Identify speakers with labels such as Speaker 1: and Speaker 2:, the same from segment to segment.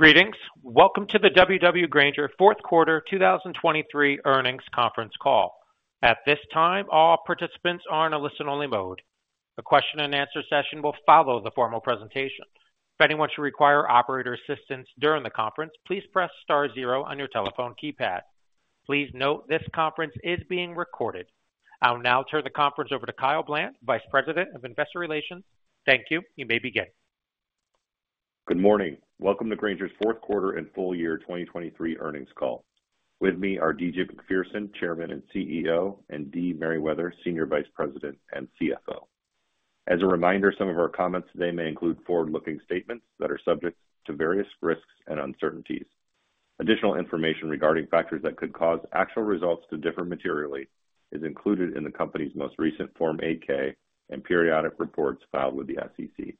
Speaker 1: Greetings! Welcome to the W.W. Grainger fourth quarter 2023 earnings conference call. At this time, all participants are in a listen-only mode. A question-and-answer session will follow the formal presentation. If anyone should require operator assistance during the conference, please press star zero on your telephone keypad. Please note, this conference is being recorded. I'll now turn the conference over to Kyle Bland, Vice President of Investor Relations. Thank you. You may begin.
Speaker 2: Good morning. Welcome to Grainger's fourth quarter and full year 2023 earnings call. With me are D.G. Macpherson, Chairman and CEO, and Dee Merriwether, Senior Vice President and CFO. As a reminder, some of our comments today may include forward-looking statements that are subject to various risks and uncertainties. Additional information regarding factors that could cause actual results to differ materially is included in the company's most recent Form 8-K and periodic reports filed with the SEC.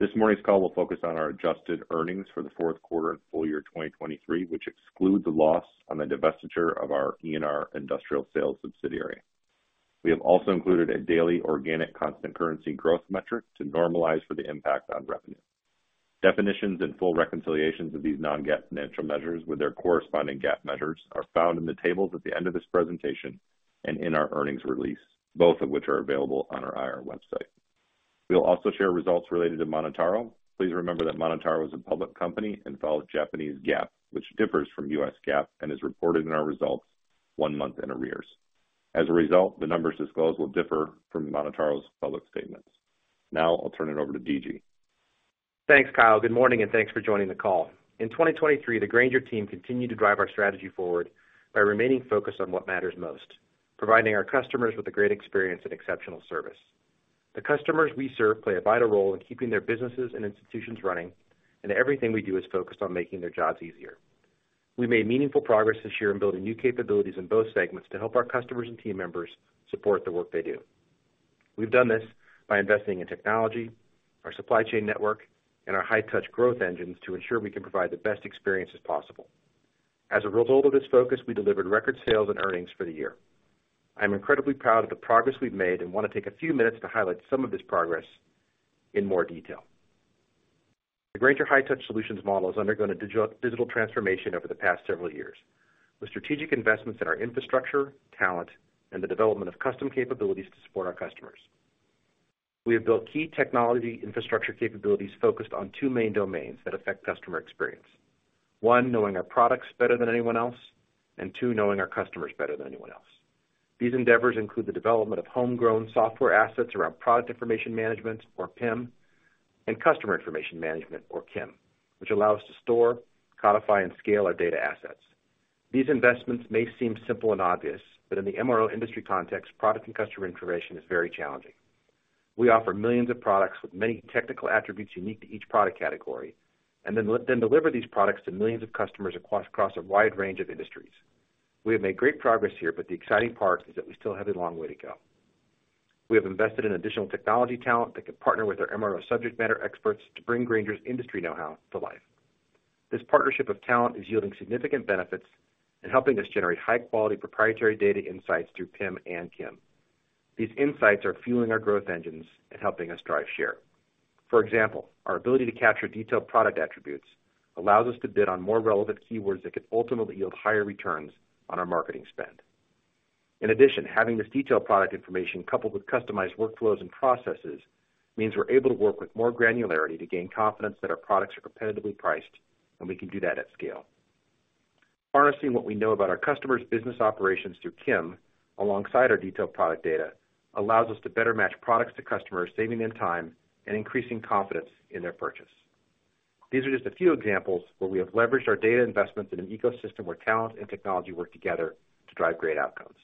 Speaker 2: This morning's call will focus on our adjusted earnings for the fourth quarter and full year 2023, which exclude the loss on the divestiture of our E&R Industrial Sales subsidiary. We have also included a daily organic constant currency growth metric to normalize for the impact on revenue. Definitions and full reconciliations of these non-GAAP financial measures with their corresponding GAAP measures are found in the tables at the end of this presentation and in our earnings release, both of which are available on our IR website. We'll also share results related to MonotaRO. Please remember that MonotaRO is a public company and follows Japanese GAAP, which differs from U.S. GAAP and is reported in our results one month in arrears. As a result, the numbers disclosed will differ from MonotaRO's public statements. Now I'll turn it over to D.G.
Speaker 3: Thanks, Kyle. Good morning, and thanks for joining the call. In 2023, the Grainger team continued to drive our strategy forward by remaining focused on what matters most, providing our customers with a great experience and exceptional service. The customers we serve play a vital role in keeping their businesses and institutions running, and everything we do is focused on making their jobs easier. We made meaningful progress this year in building new capabilities in both segments to help our customers and team members support the work they do. We've done this by investing in technology, our supply chain network, and our high-touch growth engines to ensure we can provide the best experiences possible. As a result of this focus, we delivered record sales and earnings for the year. I'm incredibly proud of the progress we've made and want to take a few minutes to highlight some of this progress in more detail. The Grainger High-Touch Solutions model has undergone a digital transformation over the past several years, with strategic investments in our infrastructure, talent, and the development of custom capabilities to support our customers. We have built key technology infrastructure capabilities focused on two main domains that affect customer experience. One, knowing our products better than anyone else, and two, knowing our customers better than anyone else. These endeavors include the development of homegrown software assets around product information management, or PIM, and customer information management, or CIM, which allow us to store, codify, and scale our data assets. These investments may seem simple and obvious, but in the MRO industry context, product and customer information is very challenging. We offer millions of products with many technical attributes unique to each product category and then deliver these products to millions of customers across a wide range of industries. We have made great progress here, but the exciting part is that we still have a long way to go. We have invested in additional technology talent that can partner with our MRO subject matter experts to bring Grainger's industry know-how to life. This partnership of talent is yielding significant benefits and helping us generate high-quality, proprietary data insights through PIM and CIM. These insights are fueling our growth engines and helping us drive share. For example, our ability to capture detailed product attributes allows us to bid on more relevant keywords that could ultimately yield higher returns on our marketing spend. In addition, having this detailed product information, coupled with customized workflows and processes, means we're able to work with more granularity to gain confidence that our products are competitively priced, and we can do that at scale. Harnessing what we know about our customers' business operations through CIM, alongside our detailed product data, allows us to better match products to customers, saving them time and increasing confidence in their purchase. These are just a few examples where we have leveraged our data investments in an ecosystem where talent and technology work together to drive great outcomes.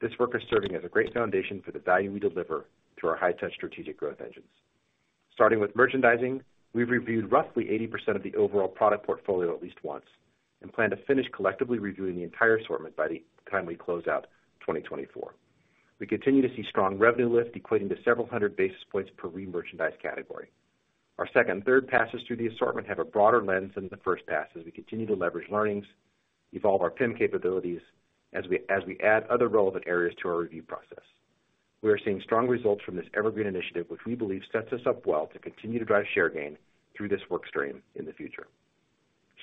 Speaker 3: This work is serving as a great foundation for the value we deliver through our high-touch strategic growth engines. Starting with merchandising, we've reviewed roughly 80% of the overall product portfolio at least once and plan to finish collectively reviewing the entire assortment by the time we close out 2024. We continue to see strong revenue lift, equating to several hundred basis points per remerchandised category. Our second and third passes through the assortment have a broader lens than the first pass, as we continue to leverage learnings, evolve our PIM capabilities, as we add other relevant areas to our review process. We are seeing strong results from this evergreen initiative, which we believe sets us up well to continue to drive share gain through this work stream in the future.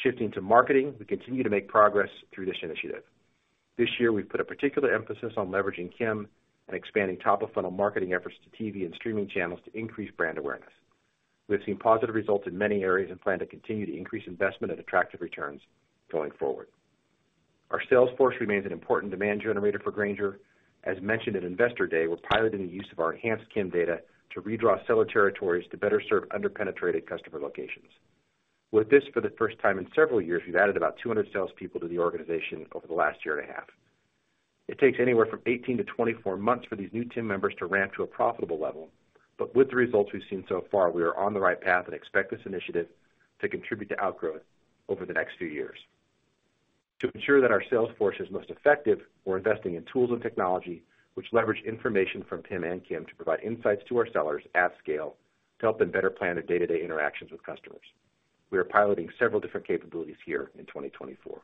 Speaker 3: Shifting to marketing, we continue to make progress through this initiative. This year, we've put a particular emphasis on leveraging CIM and expanding top-of-funnel marketing efforts to TV and streaming channels to increase brand awareness. We have seen positive results in many areas and plan to continue to increase investment at attractive returns going forward. Our sales force remains an important demand generator for Grainger. As mentioned at Investor Day, we're piloting the use of our enhanced CIM data to redraw seller territories to better serve under-penetrated customer locations. With this, for the first time in several years, we've added about 200 salespeople to the organization over the last year and a half. It takes anywhere from 18-24 months for these new team members to ramp to a profitable level, but with the results we've seen so far, we are on the right path and expect this initiative to contribute to outgrowth over the next few years. To ensure that our sales force is most effective, we're investing in tools and technology which leverage information from PIM and CIM to provide insights to our sellers at scale to help them better plan their day-to-day interactions with customers. We are piloting several different capabilities here in 2024.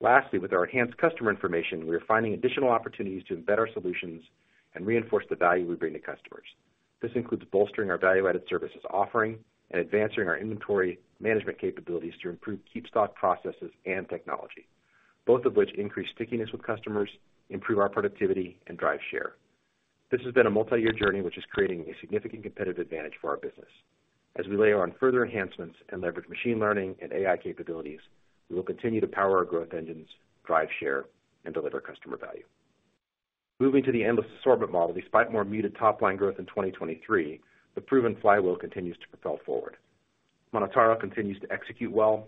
Speaker 3: Lastly, with our enhanced customer information, we are finding additional opportunities to embed our solutions and reinforce the value we bring to customers. This includes bolstering our value-added services offering and advancing our inventory management capabilities to improve KeepStock processes and technology, both of which increase stickiness with customers, improve our productivity, and drive share. This has been a multi-year journey, which is creating a significant competitive advantage for our business. As we layer on further enhancements and leverage machine learning and AI capabilities, we will continue to power our growth engines, drive share, and deliver customer value. Moving to the Endless Assortment model, despite more muted top line growth in 2023, the proven flywheel continues to propel forward. MonotaRO continues to execute well.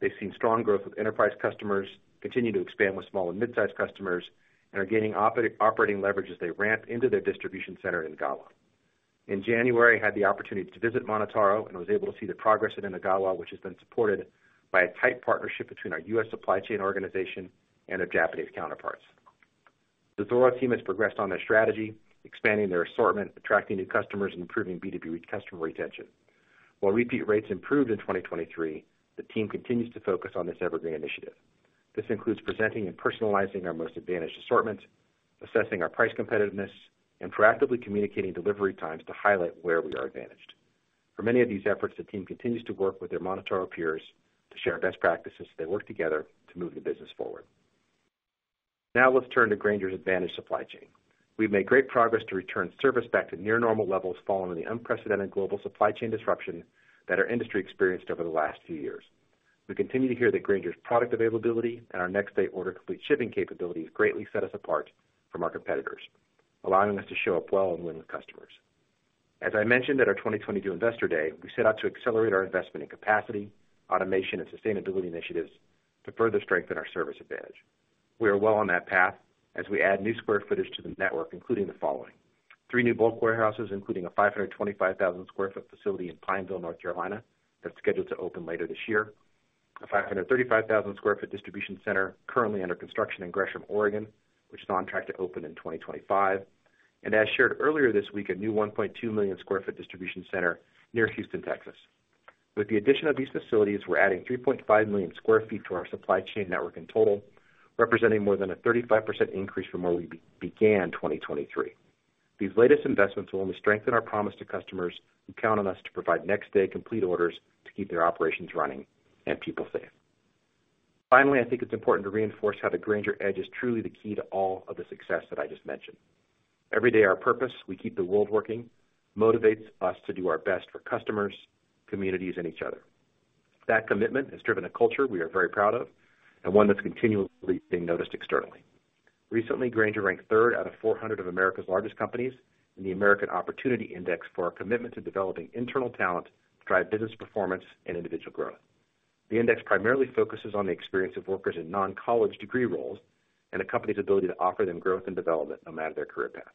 Speaker 3: They've seen strong growth with enterprise customers, continue to expand with small and mid-sized customers, and are gaining operating leverage as they ramp into their distribution center in Odawara. In January, I had the opportunity to visit MonotaRO and was able to see the progress in Odawara, which has been supported by a tight partnership between our U.S. supply chain organization and their Japanese counterparts. The Zoro team has progressed on their strategy, expanding their assortment, attracting new customers, and improving B2B customer retention. While repeat rates improved in 2023, the team continues to focus on this evergreen initiative. This includes presenting and personalizing our most advantaged assortment, assessing our price competitiveness, and proactively communicating delivery times to highlight where we are advantaged. For many of these efforts, the team continues to work with their MonotaRO peers to share best practices as they work together to move the business forward. Now let's turn to Grainger's advantage supply chain. We've made great progress to return service back to near normal levels following the unprecedented global supply chain disruption that our industry experienced over the last few years. We continue to hear that Grainger's product availability and our next day order complete shipping capabilities greatly set us apart from our competitors, allowing us to show up well and win with customers. As I mentioned at our 2022 Investor Day, we set out to accelerate our investment in capacity, automation, and sustainability initiatives to further strengthen our service advantage. We are well on that path as we add new square footage to the network, including the following: three new bulk warehouses, including a 525,000 sq ft facility in Pineville, North Carolina, that's scheduled to open later this year, a 535,000 sq ft distribution center currently under construction in Gresham, Oregon, which is on track to open in 2025, and as shared earlier this week, a new 1.2 million sq ft distribution center near Houston, Texas. With the addition of these facilities, we're adding 3.5 million sq ft to our supply chain network in total, representing more than a 35% increase from where we began 2023. These latest investments will only strengthen our promise to customers who count on us to provide next day complete orders to keep their operations running and people safe. Finally, I think it's important to reinforce how the Grainger Edge is truly the key to all of the success that I just mentioned. Every day, our purpose, we keep the world working, motivates us to do our best for customers, communities, and each other. That commitment has driven a culture we are very proud of and one that's continually being noticed externally. Recently, Grainger ranked third out of 400 of America's largest companies in the American Opportunity Index for our commitment to developing internal talent to drive business performance and individual growth. The index primarily focuses on the experience of workers in non-college degree roles and a company's ability to offer them growth and development, no matter their career path.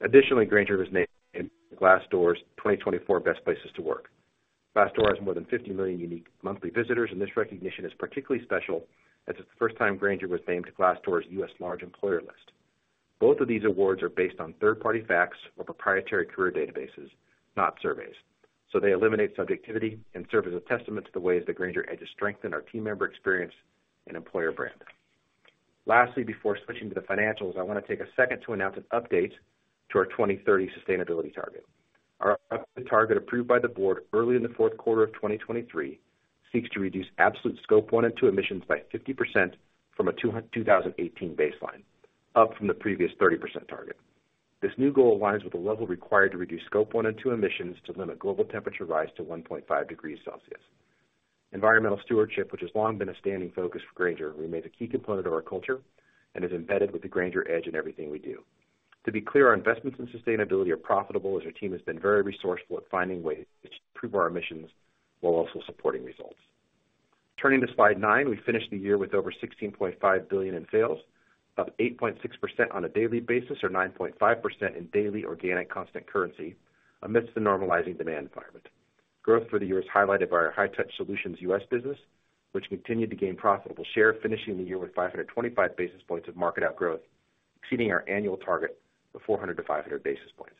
Speaker 3: Additionally, Grainger was named in Glassdoor's 2024 Best Places to Work. Glassdoor has more than 50 million unique monthly visitors, and this recognition is particularly special as it's the first time Grainger was named Glassdoor's U.S. Large Employer list. Both of these awards are based on third-party facts or proprietary career databases, not surveys, so they eliminate subjectivity and serve as a testament to the ways the Grainger Edge has strengthened our team member experience and employer brand. Lastly, before switching to the financials, I wanna take a second to announce an update to our 2030 sustainability target. Our updated target, approved by the board early in the fourth quarter of 2023, seeks to reduce absolute Scope 1 and 2 emissions by 50% from a 2018 baseline, up from the previous 30% target. This new goal aligns with the level required to reduce Scope 1 and 2 emissions to limit global temperature rise to 1.5 degrees Celsius. Environmental stewardship, which has long been a standing focus for Grainger, remains a key component of our culture and is embedded with the Grainger Edge in everything we do. To be clear, our investments in sustainability are profitable, as our team has been very resourceful at finding ways to improve our emissions while also supporting results. Turning to slide nine, we finished the year with over $16.5 billion in sales, up 8.6% on a daily basis, or 9.5% in daily organic constant currency, amidst the normalizing demand environment. Growth for the year is highlighted by our high-touch solutions U.S. business, which continued to gain profitable share, finishing the year with 525 basis points of market outgrowth, exceeding our annual target of 400-500 basis points.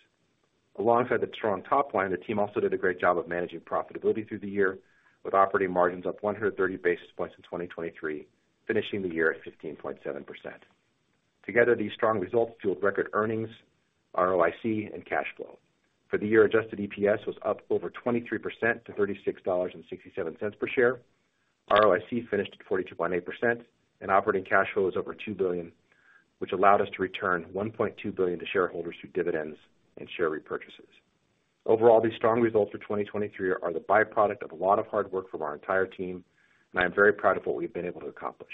Speaker 3: Alongside the strong top line, the team also did a great job of managing profitability through the year, with operating margins up 130 basis points in 2023, finishing the year at 15.7%. Together, these strong results fueled record earnings, ROIC, and cash flow. For the year, adjusted EPS was up over 23% to $36.67 per share, ROIC finished at 42.8%, and operating cash flow was over $2 billion, which allowed us to return $1.2 billion to shareholders through dividends and share repurchases. Overall, these strong results for 2023 are the byproduct of a lot of hard work from our entire team, and I am very proud of what we've been able to accomplish.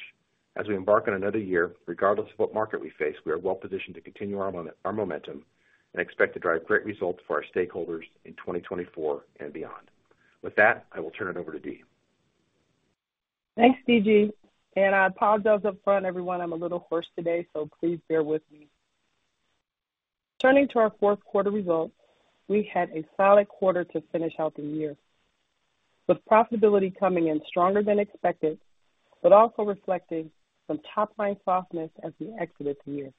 Speaker 3: As we embark on another year, regardless of what market we face, we are well positioned to continue our momentum and expect to drive great results for our stakeholders in 2024 and beyond. With that, I will turn it over to Dee.
Speaker 4: Thanks, D.G., and I apologize up front, everyone. I'm a little hoarse today, so please bear with me. Turning to our fourth quarter results, we had a solid quarter to finish out the year, with profitability coming in stronger than expected, but also reflecting some top line softness as we exit this year.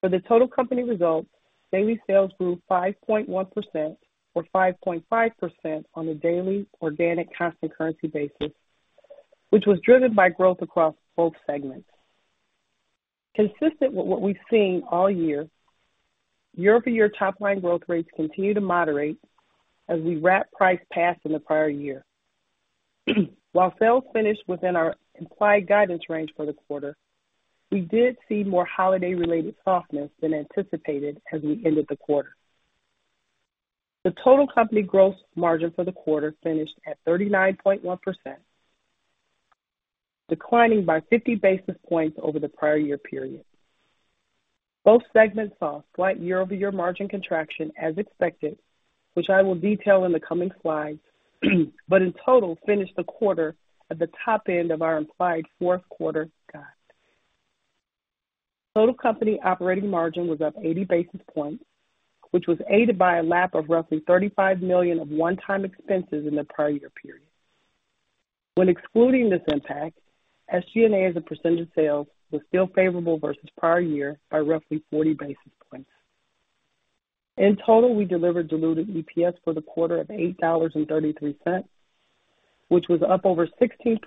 Speaker 4: For the total company results, daily sales grew 5.1% or 5.5% on a daily organic constant currency basis, which was driven by growth across both segments. Consistent with what we've seen all year, year-over-year top line growth rates continue to moderate as we lap price pass in the prior year. While sales finished within our implied guidance range for the quarter, we did see more holiday-related softness than anticipated as we ended the quarter. The total company gross margin for the quarter finished at 39.1%, declining by 50 basis points over the prior year period. Both segments saw slight year-over-year margin contraction as expected, which I will detail in the coming slides, but in total, finished the quarter at the top end of our implied fourth quarter guide. Total company operating margin was up 80 basis points, which was aided by a lap of roughly $35 million of one-time expenses in the prior year period. When excluding this impact, SG&A as a percentage of sales was still favorable versus prior year by roughly 40 basis points. In total, we delivered diluted EPS for the quarter of $8.33, which was up over 16%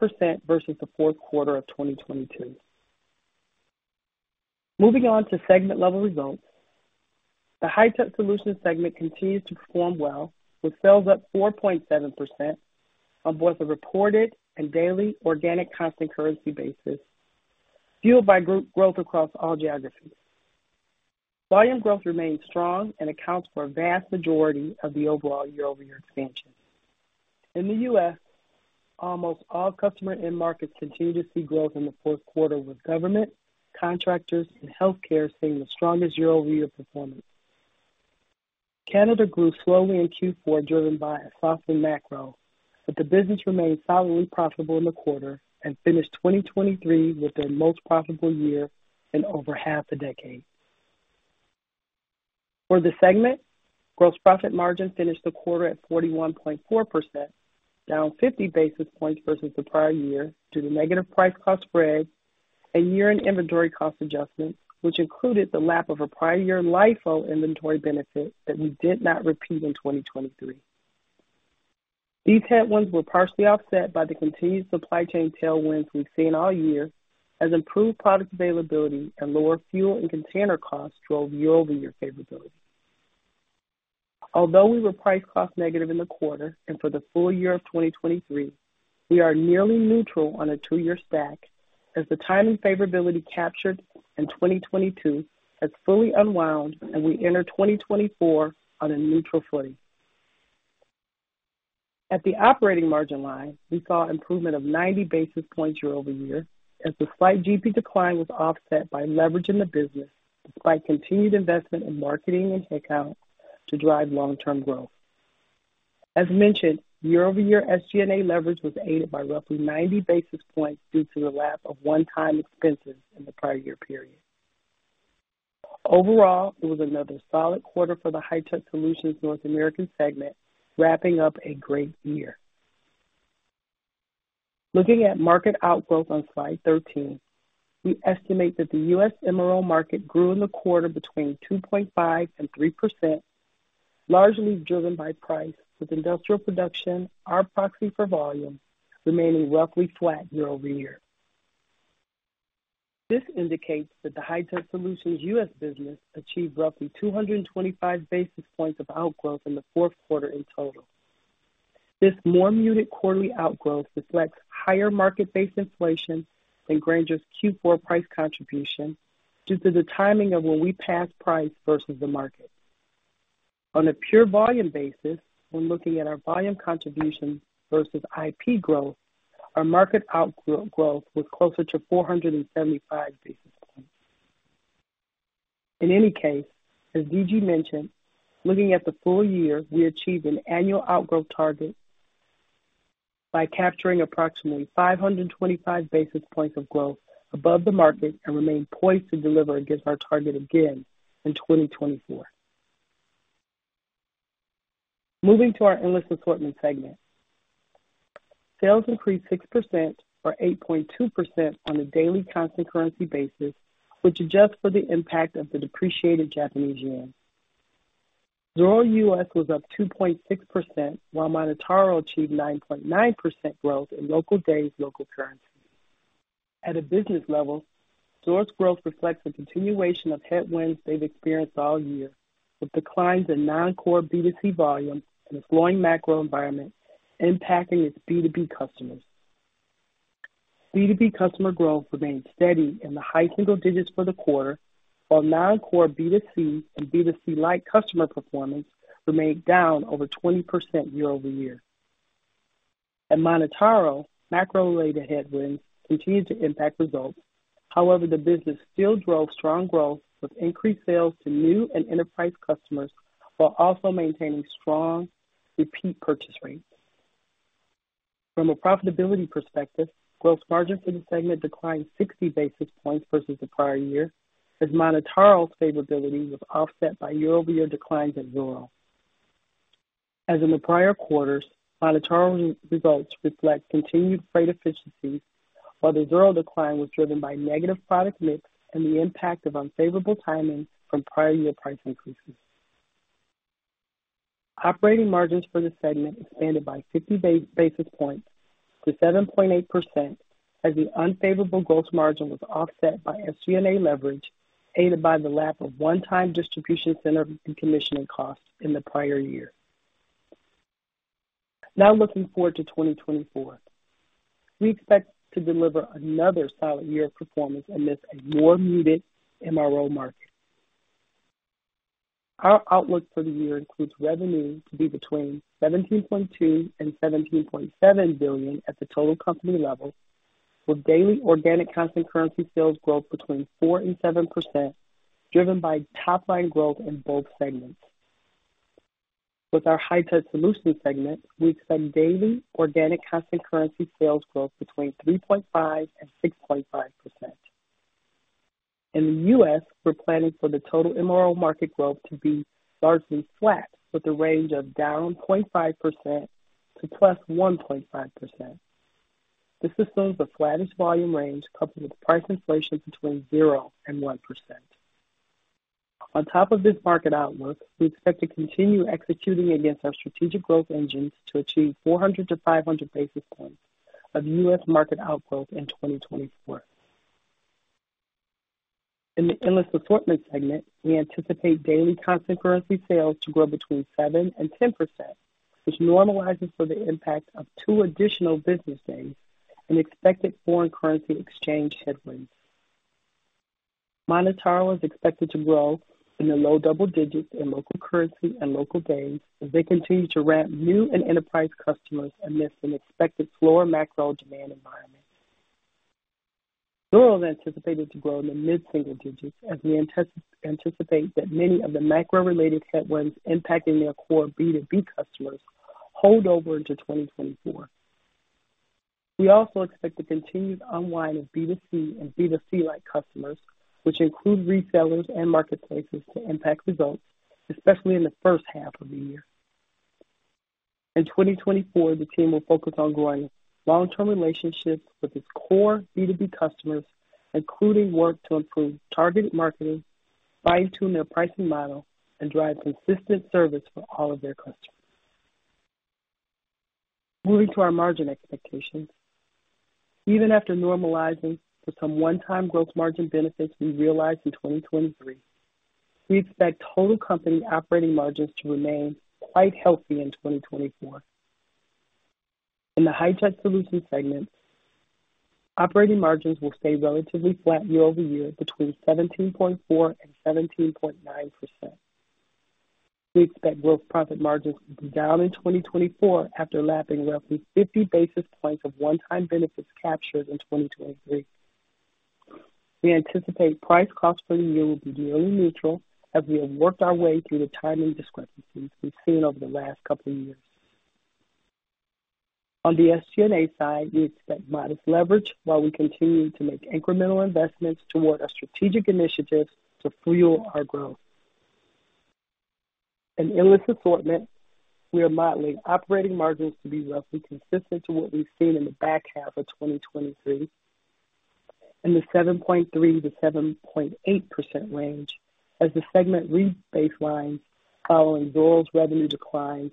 Speaker 4: versus the fourth quarter of 2022. Moving on to segment level results. The High-Touch Solutions segment continues to perform well, with sales up 4.7% on both the reported and daily organic constant currency basis, fueled by group growth across all geographies. Volume growth remains strong and accounts for a vast majority of the overall year-over-year expansion. In the U.S., almost all customer end markets continued to see growth in the fourth quarter, with government, contractors, and healthcare seeing the strongest year-over-year performance. Canada grew slowly in Q4, driven by a softer macro, but the business remained solidly profitable in the quarter and finished 2023 with their most profitable year in over half a decade. For the segment, gross profit margin finished the quarter at 41.4%, down 50 basis points versus the prior year due to negative price-cost spread and year-end inventory cost adjustments, which included the lapse of a prior year LIFO inventory benefit that we did not repeat in 2023. These headwinds were partially offset by the continued supply chain tailwinds we've seen all year, as improved product availability and lower fuel and container costs drove year-over-year favorability. Although we were price-cost negative in the quarter and for the full year of 2023, we are nearly neutral on a two-year stack as the timing favorability captured in 2022 has fully unwound and we enter 2024 on a neutral footing. At the operating margin line, we saw improvement of 90 basis points year-over-year, as the slight GP decline was offset by leverage in the business, despite continued investment in marketing and head count to drive long-term growth. As mentioned, year-over-year SG&A leverage was aided by roughly 90 basis points due to the lap of one-time expenses in the prior year period. Overall, it was another solid quarter for the High-Touch Solutions North American segment, wrapping up a great year. Looking at market outgrowth on Slide 13, we estimate that the U.S. MRO market grew in the quarter between 2.5% and 3%, largely driven by price, with industrial production, our proxy for volume, remaining roughly flat year-over-year. This indicates that the High-Touch Solutions U.S. business achieved roughly 225 basis points of outgrowth in the fourth quarter in total. This more muted quarterly outgrowth reflects higher market-based inflation than Grainger's Q4 price contribution due to the timing of when we pass price versus the market. On a pure volume basis, when looking at our volume contribution versus IP growth, our market outgrowth was closer to 475 basis points. In any case, as D.G. mentioned, looking at the full year, we achieved an annual outgrowth target by capturing approximately 525 basis points of growth above the market and remain poised to deliver against our target again in 2024. Moving to our Endless Assortment segment. Sales increased 6% or 8.2% on a daily constant currency basis, which adjusts for the impact of the depreciated Japanese yen. Zoro U.S. was up 2.6%, while MonotaRO achieved 9.9% growth in local days, local currency. At a business level, Zoro's growth reflects a continuation of headwinds they've experienced all year, with declines in non-core B2C volume and a slowing macro environment impacting its B2B customers. B2B customer growth remained steady in the high single digits for the quarter, while non-core B2C and B2C-like customer performance remained down over 20% year-over-year. At MonotaRO, macro-related headwinds continued to impact results. However, the business still drove strong growth with increased sales to new and enterprise customers, while also maintaining strong repeat purchase rates. From a profitability perspective, gross margin for the segment declined 60 basis points versus the prior year, as MonotaRO's favorability was offset by year-over-year declines at Zoro. As in the prior quarters, MonotaRO results reflect continued freight efficiencies, while the Zoro decline was driven by negative product mix and the impact of unfavorable timing from prior year price increases. Operating margins for the segment expanded by 50 basis points to 7.8%, as the unfavorable gross margin was offset by SG&A leverage, aided by the lack of one-time distribution center and commissioning costs in the prior year. Now looking forward to 2024, we expect to deliver another solid year of performance amidst a more muted MRO market. Our outlook for the year includes revenue to be between $17.2 billion and $17.7 billion at the total company level, with daily organic constant currency sales growth between 4% and 7%, driven by top line growth in both segments. With our High-Touch Solutions segment, we expect daily organic constant currency sales growth between 3.5% and 6.5%. In the US, we're planning for the total MRO market growth to be largely flat, with a range of down 0.5% to +1.5%. This assumes the flattest volume range, coupled with price inflation between 0% and 1%. On top of this market outlook, we expect to continue executing against our strategic growth engines to achieve 400-500 basis points of US market outgrowth in 2024. In the Endless Assortment segment, we anticipate daily constant currency sales to grow between 7% and 10%, which normalizes for the impact of two additional business days and expected foreign currency exchange headwinds. MonotaRO is expected to grow in the low double digits in local currency and local days as they continue to ramp new and enterprise customers amidst an expected slower macro demand environment. Zoro is anticipated to grow in the mid-single digits, as we anticipate that many of the macro-related headwinds impacting their core B2B customers hold over into 2024. We also expect the continued unwind of B2C and B2C-like customers, which include retailers and marketplaces, to impact results, especially in the first half of the year. In 2024, the team will focus on growing long-term relationships with its core B2B customers, including work to improve targeted marketing, fine-tune their pricing model, and drive consistent service for all of their customers. Moving to our margin expectations. Even after normalizing to some one-time gross margin benefits we realized in 2023, we expect total company operating margins to remain quite healthy in 2024. In the High-Touch Solutions segment, operating margins will stay relatively flat year-over-year between 17.4% and 17.9%. We expect gross profit margins to be down in 2024 after lapping roughly 50 basis points of one-time benefits captured in 2023. We anticipate price-costs for the year will be nearly neutral as we have worked our way through the timing discrepancies we've seen over the last couple of years. On the SG&A side, we expect modest leverage while we continue to make incremental investments toward our strategic initiatives to fuel our growth. In Endless Assortment, we are modeling operating margins to be roughly consistent to what we've seen in the back half of 2023, in the 7.3%-7.8% range as the segment rebaselines following Zoro's revenue declines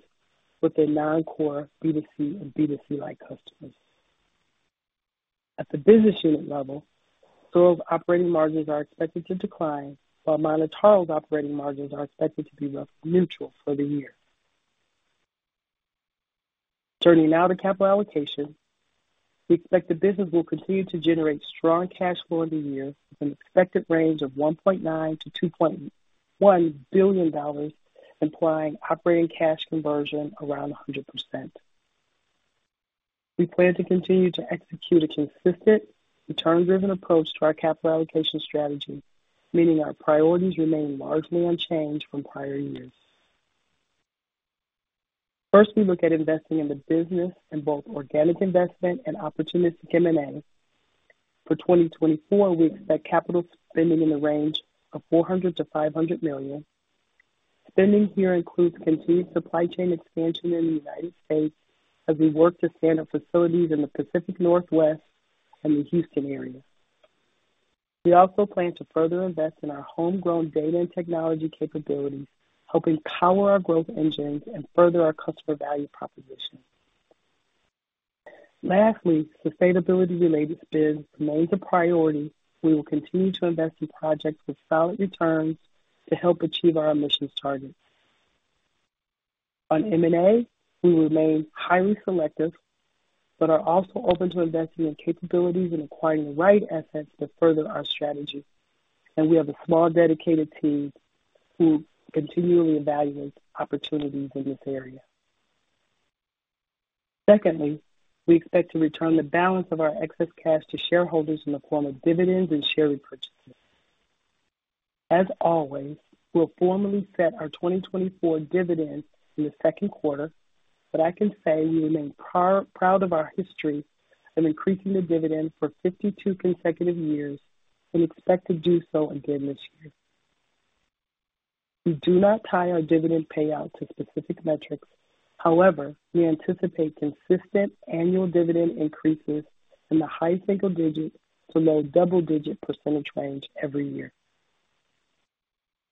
Speaker 4: with their non-core B2C and B2C-like customers. At the business unit level, Zoro's operating margins are expected to decline, while MonotaRO's operating margins are expected to be roughly neutral for the year. Turning now to capital allocation. We expect the business will continue to generate strong cash flow in the year, with an expected range of $1.9 billion-$2.1 billion, implying operating cash conversion around 100%. We plan to continue to execute a consistent, return-driven approach to our capital allocation strategy, meaning our priorities remain largely unchanged from prior years. First, we look at investing in the business in both organic investment and opportunistic M&A. For 2024, we expect capital spending in the range of $400 million-$500 million. Spending here includes continued supply chain expansion in the United States as we work to stand up facilities in the Pacific Northwest and the Houston area. We also plan to further invest in our homegrown data and technology capabilities, helping power our growth engines and further our customer value proposition. Lastly, sustainability-related spends remain the priority. We will continue to invest in projects with solid returns to help achieve our emissions targets. On M&A, we remain highly selective, but are also open to investing in capabilities and acquiring the right assets to further our strategy, and we have a small, dedicated team who continually evaluate opportunities in this area. Secondly, we expect to return the balance of our excess cash to shareholders in the form of dividends and share repurchases. As always, we'll formally set our 2024 dividend in the second quarter. But I can say we remain proud, proud of our history of increasing the dividend for 52 consecutive years and expect to do so again this year. We do not tie our dividend payout to specific metrics. However, we anticipate consistent annual dividend increases in the high single-digit to low double-digit percentage range every year.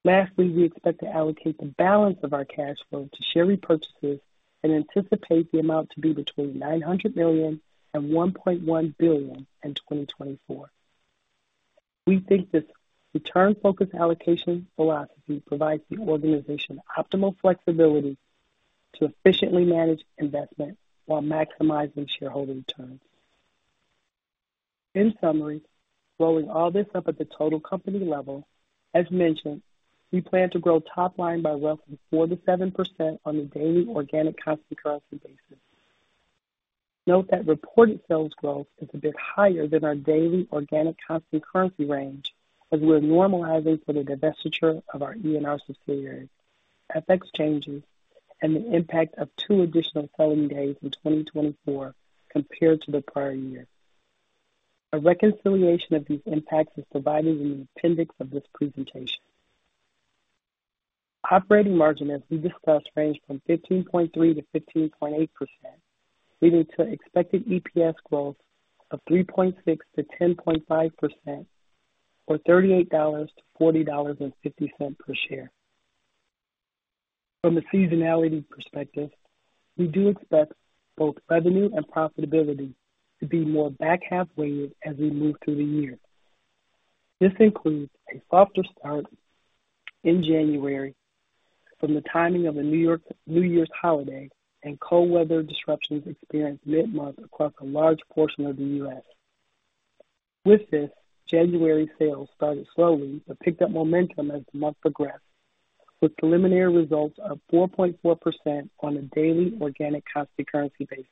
Speaker 4: Lastly, we expect to allocate the balance of our cash flow to share repurchases and anticipate the amount to be between $900 million and $1.1 billion in 2024. We think this return-focused allocation philosophy provides the organization optimal flexibility to efficiently manage investment while maximizing shareholder returns. In summary, rolling all this up at the total company level, as mentioned, we plan to grow top line by roughly 4%-7% on a daily organic constant currency basis. Note that reported sales growth is a bit higher than our daily organic constant currency range, as we are normalizing for the divestiture of our E&R subsidiary, FX changes, and the impact of two additional selling days in 2024 compared to the prior year. A reconciliation of these impacts is provided in the appendix of this presentation. Operating margin, as we discussed, range from 15.3%-15.8%, leading to expected EPS growth of 3.6%-10.5%, or $38-$40.50 per share. From a seasonality perspective, we do expect both revenue and profitability to be more back-half weighted as we move through the year. This includes a softer start in January from the timing of the New Year's holiday and cold weather disruptions experienced mid-month across a large portion of the U.S. With this, January sales started slowly, but picked up momentum as the month progressed, with preliminary results of 4.4% on a daily organic constant currency basis.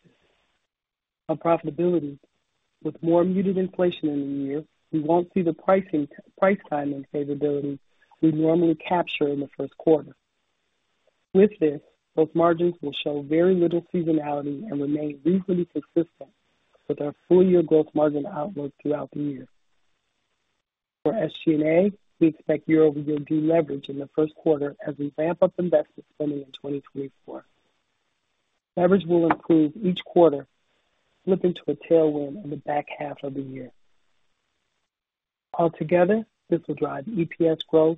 Speaker 4: On profitability, with more muted inflation in the year, we won't see the price timing favorability we normally capture in the first quarter. With this, both margins will show very little seasonality and remain reasonably consistent with our full-year growth margin outlook throughout the year. For SG&A, we expect year-over-year deleverage in the first quarter as we ramp up investment spending in 2024. Leverage will improve each quarter, flipping to a tailwind in the back half of the year. Altogether, this will drive EPS growth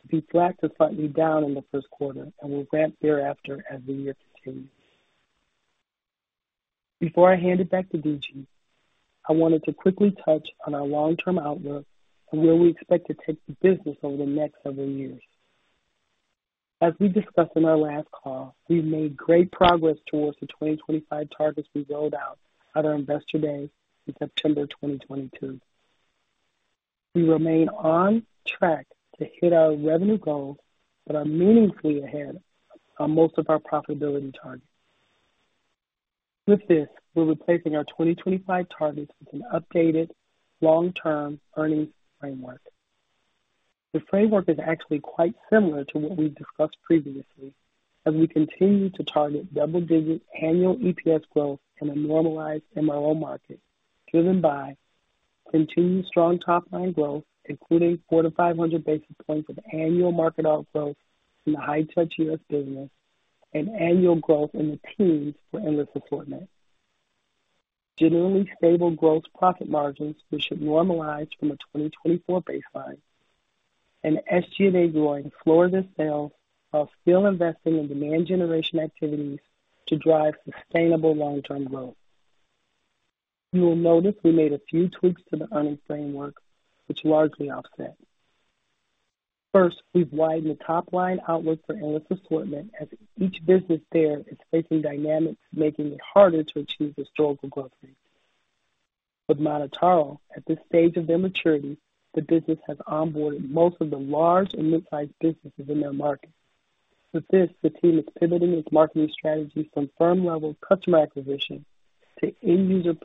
Speaker 4: to be flat to slightly down in the first quarter and will ramp thereafter as the year continues. Before I hand it back to D.G., I wanted to quickly touch on our long-term outlook and where we expect to take the business over the next several years. As we discussed on our last call, we've made great progress towards the 2025 targets we rolled out at our Investor Day in September 2022. We remain on track to hit our revenue goals, but are meaningfully ahead on most of our profitability targets. With this, we're replacing our 2025 targets with an updated long-term earnings framework. The framework is actually quite similar to what we've discussed previously, as we continue to target double-digit annual EPS growth in a normalized MRO market, driven by continued strong top line growth, including 400-500 basis points of annual market outgrowth in the High-Touch U.S. business and annual growth in the teens for Endless Assortment. Genuinely stable gross profit margins, which should normalize from a 2024 baseline and SG&A growing slower than sales, while still investing in demand generation activities to drive sustainable long-term growth. You will notice we made a few tweaks to the earnings framework, which largely offset. First, we've widened the top-line outlook for Endless Assortment as each business there is facing dynamics, making it harder to achieve historical growth rates. With MonotaRO, at this stage of their maturity, the business has onboarded most of the large and mid-sized businesses in their market. With this, the team is pivoting its marketing strategy from firm-level customer acquisition to end-user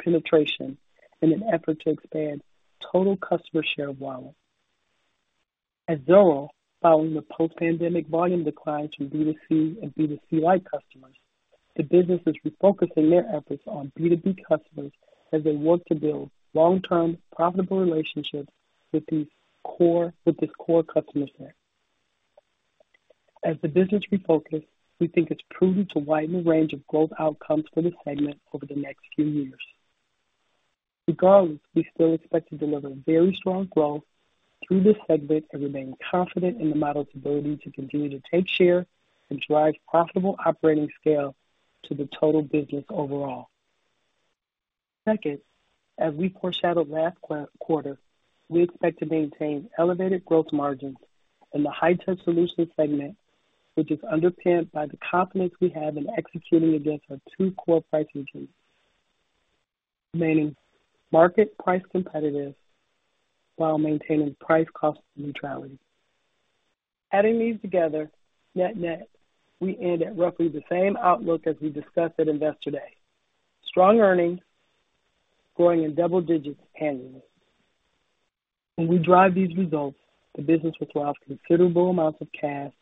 Speaker 4: penetration in an effort to expand total customer share of wallet. At Zoro, following the post-pandemic volume decline from B2C and B2C-like customers, the business is refocusing their efforts on B2B customers as they work to build long-term, profitable relationships with this core customer set. As the business refocused, we think it's prudent to widen the range of growth outcomes for the segment over the next few years. Regardless, we still expect to deliver very strong growth through this segment and remain confident in the model's ability to continue to take share and drive profitable operating scale to the total business overall. Second, as we foreshadowed last quarter, we expect to maintain elevated growth margins in the High-Touch Solutions segment, which is underpinned by the confidence we have in executing against our two core price engines, remaining market price competitive while maintaining price-cost neutrality. Adding these together, net-net, we end at roughly the same outlook as we discussed at Investor Day. Strong earnings growing in double digits annually. When we drive these results, the business will throw off considerable amounts of cash,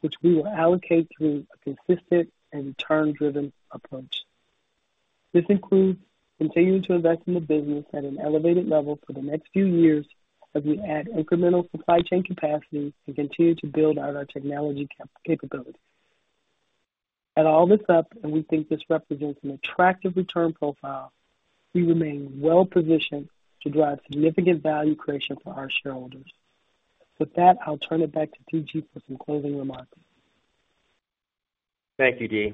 Speaker 4: which we will allocate through a consistent and return-driven approach. This includes continuing to invest in the business at an elevated level for the next few years, as we add incremental supply chain capacity and continue to build out our technology capabilities. Add all this up, and we think this represents an attractive return profile. We remain well positioned to drive significant value creation for our shareholders. With that, I'll turn it back to D.G. for some closing remarks.
Speaker 3: Thank you, Dee.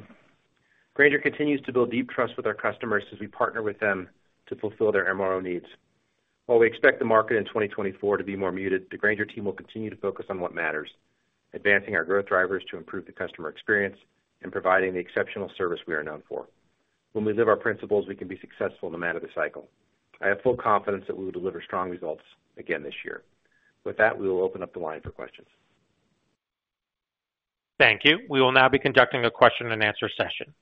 Speaker 3: Grainger continues to build deep trust with our customers as we partner with them to fulfill their MRO needs. While we expect the market in 2024 to be more muted, the Grainger team will continue to focus on what matters, advancing our growth drivers to improve the customer experience and providing the exceptional service we are known for. When we live our principles, we can be successful no matter the cycle. I have full confidence that we will deliver strong results again this year. With that, we will open up the line for questions.
Speaker 1: Thank you. We will now be conducting a question and answer session.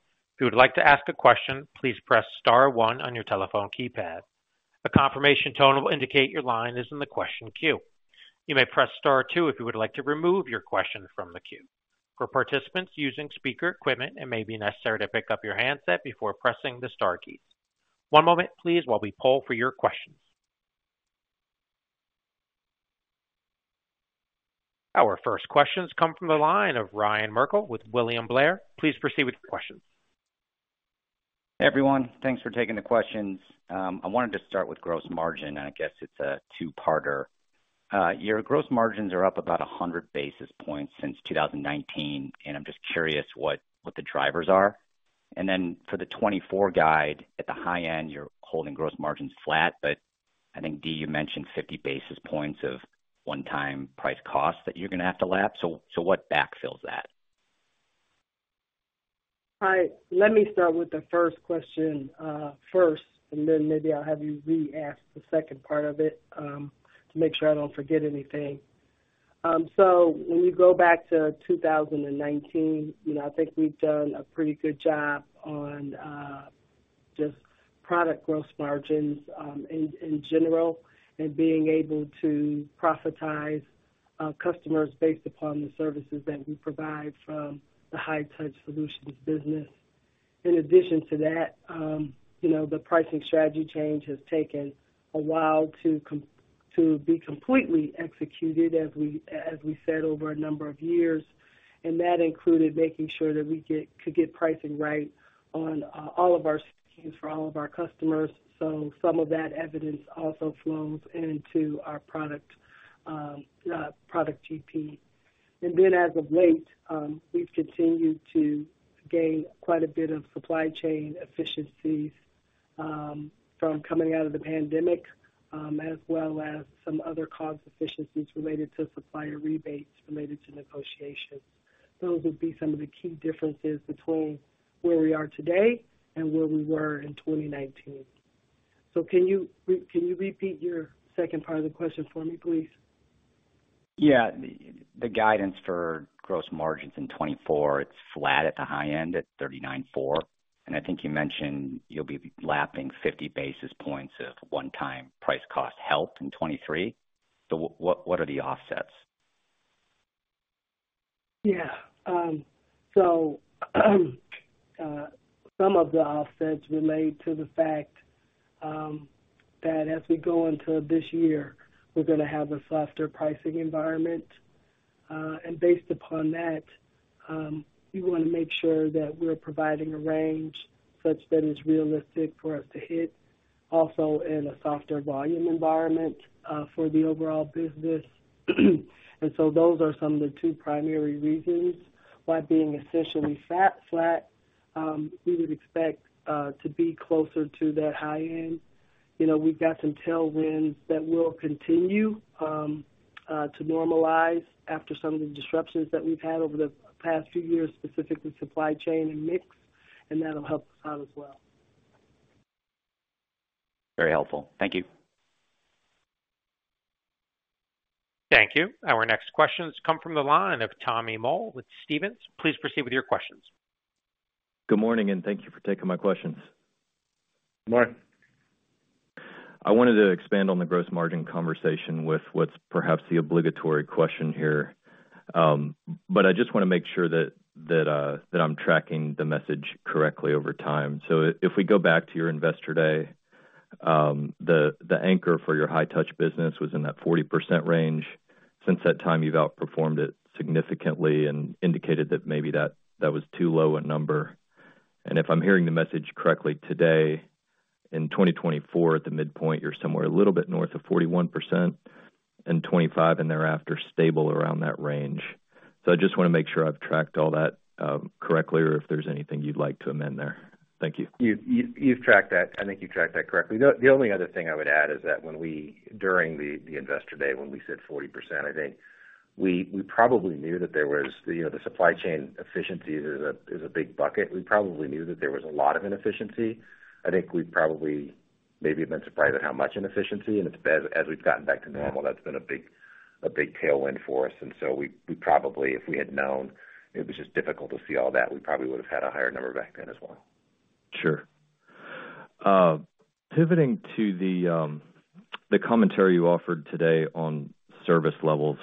Speaker 1: If you would like to ask a question, please press star one on your telephone keypad. A confirmation tone will indicate your line is in the question queue. You may press star two if you would like to remove your question from the queue. For participants using speaker equipment, it may be necessary to pick up your handset before pressing the star keys. One moment, please, while we poll for your questions. Our first questions come from the line of Ryan Merkel with William Blair. Please proceed with your questions.
Speaker 5: Everyone, thanks for taking the questions. I wanted to start with gross margin, and I guess it's a two-parter. Your gross margins are up about 100 basis points since 2019, and I'm just curious what, what the drivers are. And then for the 2024 guide, at the high end, you're holding gross margins flat, but I think, Dee, you mentioned 50 basis points of one-time price-costs that you're gonna have to lap. So, so what backfills that?
Speaker 4: All right. Let me start with the first question, first, and then maybe I'll have you re-ask the second part of it, to make sure I don't forget anything. So when you go back to 2019, you know, I think we've done a pretty good job on just product gross margins, in general, and being able to profitize customers based upon the services that we provide from the high-touch solutions business. In addition to that, you know, the pricing strategy change has taken a while to be completely executed, as we said, over a number of years, and that included making sure that we could get pricing right on all of our SKUs for all of our customers. So some of that evidence also flows into our product GP. And then as of late, we've continued to gain quite a bit of supply chain efficiencies, from coming out of the pandemic, as well as some other cost efficiencies related to supplier rebates related to negotiations. Those would be some of the key differences between where we are today and where we were in 2019. So can you repeat your second part of the question for me, please?
Speaker 5: Yeah. The guidance for gross margins in 2024, it's flat at the high end at 39.4%, and I think you mentioned you'll be lapping 50 basis points of one-time price-cost help in 2023. So what, what are the offsets?
Speaker 4: Yeah. Some of the offsets relate to the fact that as we go into this year, we're gonna have a softer pricing environment. And based upon that, we want to make sure that we're providing a range such that is realistic for us to hit. Also, in a softer volume environment for the overall business. And so those are some of the two primary reasons why being essentially flat, flat, we would expect to be closer to that high end. You know, we've got some tailwinds that will continue to normalize after some of the disruptions that we've had over the past few years, specifically supply chain and mix, and that'll help us out as well.
Speaker 5: Very helpful. Thank you.
Speaker 1: Thank you. Our next questions come from the line of Tommy Moll with Stephens. Please proceed with your questions.
Speaker 6: Good morning, and thank you for taking my questions.
Speaker 4: Good morning.
Speaker 6: I wanted to expand on the gross margin conversation with what's perhaps the obligatory question here. But I just wanna make sure that I'm tracking the message correctly over time. So if we go back to your Investor Day, the anchor for your High-Touch business was in that 40% range. Since that time, you've outperformed it significantly and indicated that maybe that was too low a number. And if I'm hearing the message correctly today, in 2024, at the midpoint, you're somewhere a little bit north of 41% and 2025, and thereafter stable around that range. So I just wanna make sure I've tracked all that correctly, or if there's anything you'd like to amend there. Thank you.
Speaker 3: You've tracked that. I think you've tracked that correctly. The only other thing I would add is that when we, during the Investor Day, when we said 40%, I think we probably knew that there was, you know, the supply chain efficiency is a big bucket. We probably knew that there was a lot of inefficiency. I think we probably maybe have been surprised at how much inefficiency, and as we've gotten back to normal, that's been a big tailwind for us, and so we probably, if we had known, it was just difficult to see all that, we probably would have had a higher number back then as well.
Speaker 6: Sure. Pivoting to the commentary you offered today on service levels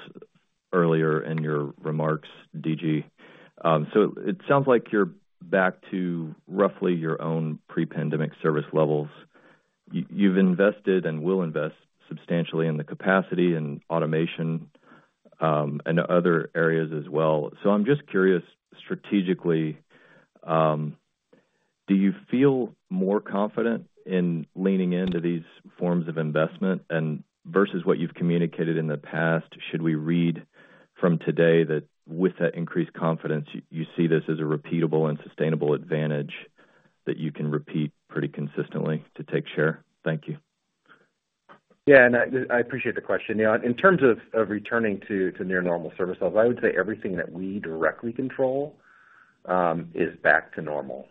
Speaker 6: earlier in your remarks, D.G. So it sounds like you're back to roughly your own pre-pandemic service levels. You've invested and will invest substantially in the capacity and automation, and other areas as well. So I'm just curious, strategically, do you feel more confident in leaning into these forms of investment? And versus what you've communicated in the past, should we read from today that with that increased confidence, you see this as a repeatable and sustainable advantage that you can repeat pretty consistently to take share? Thank you.
Speaker 3: Yeah, and I appreciate the question. Yeah, in terms of returning to near normal service levels, I would say everything that we directly control is back to normal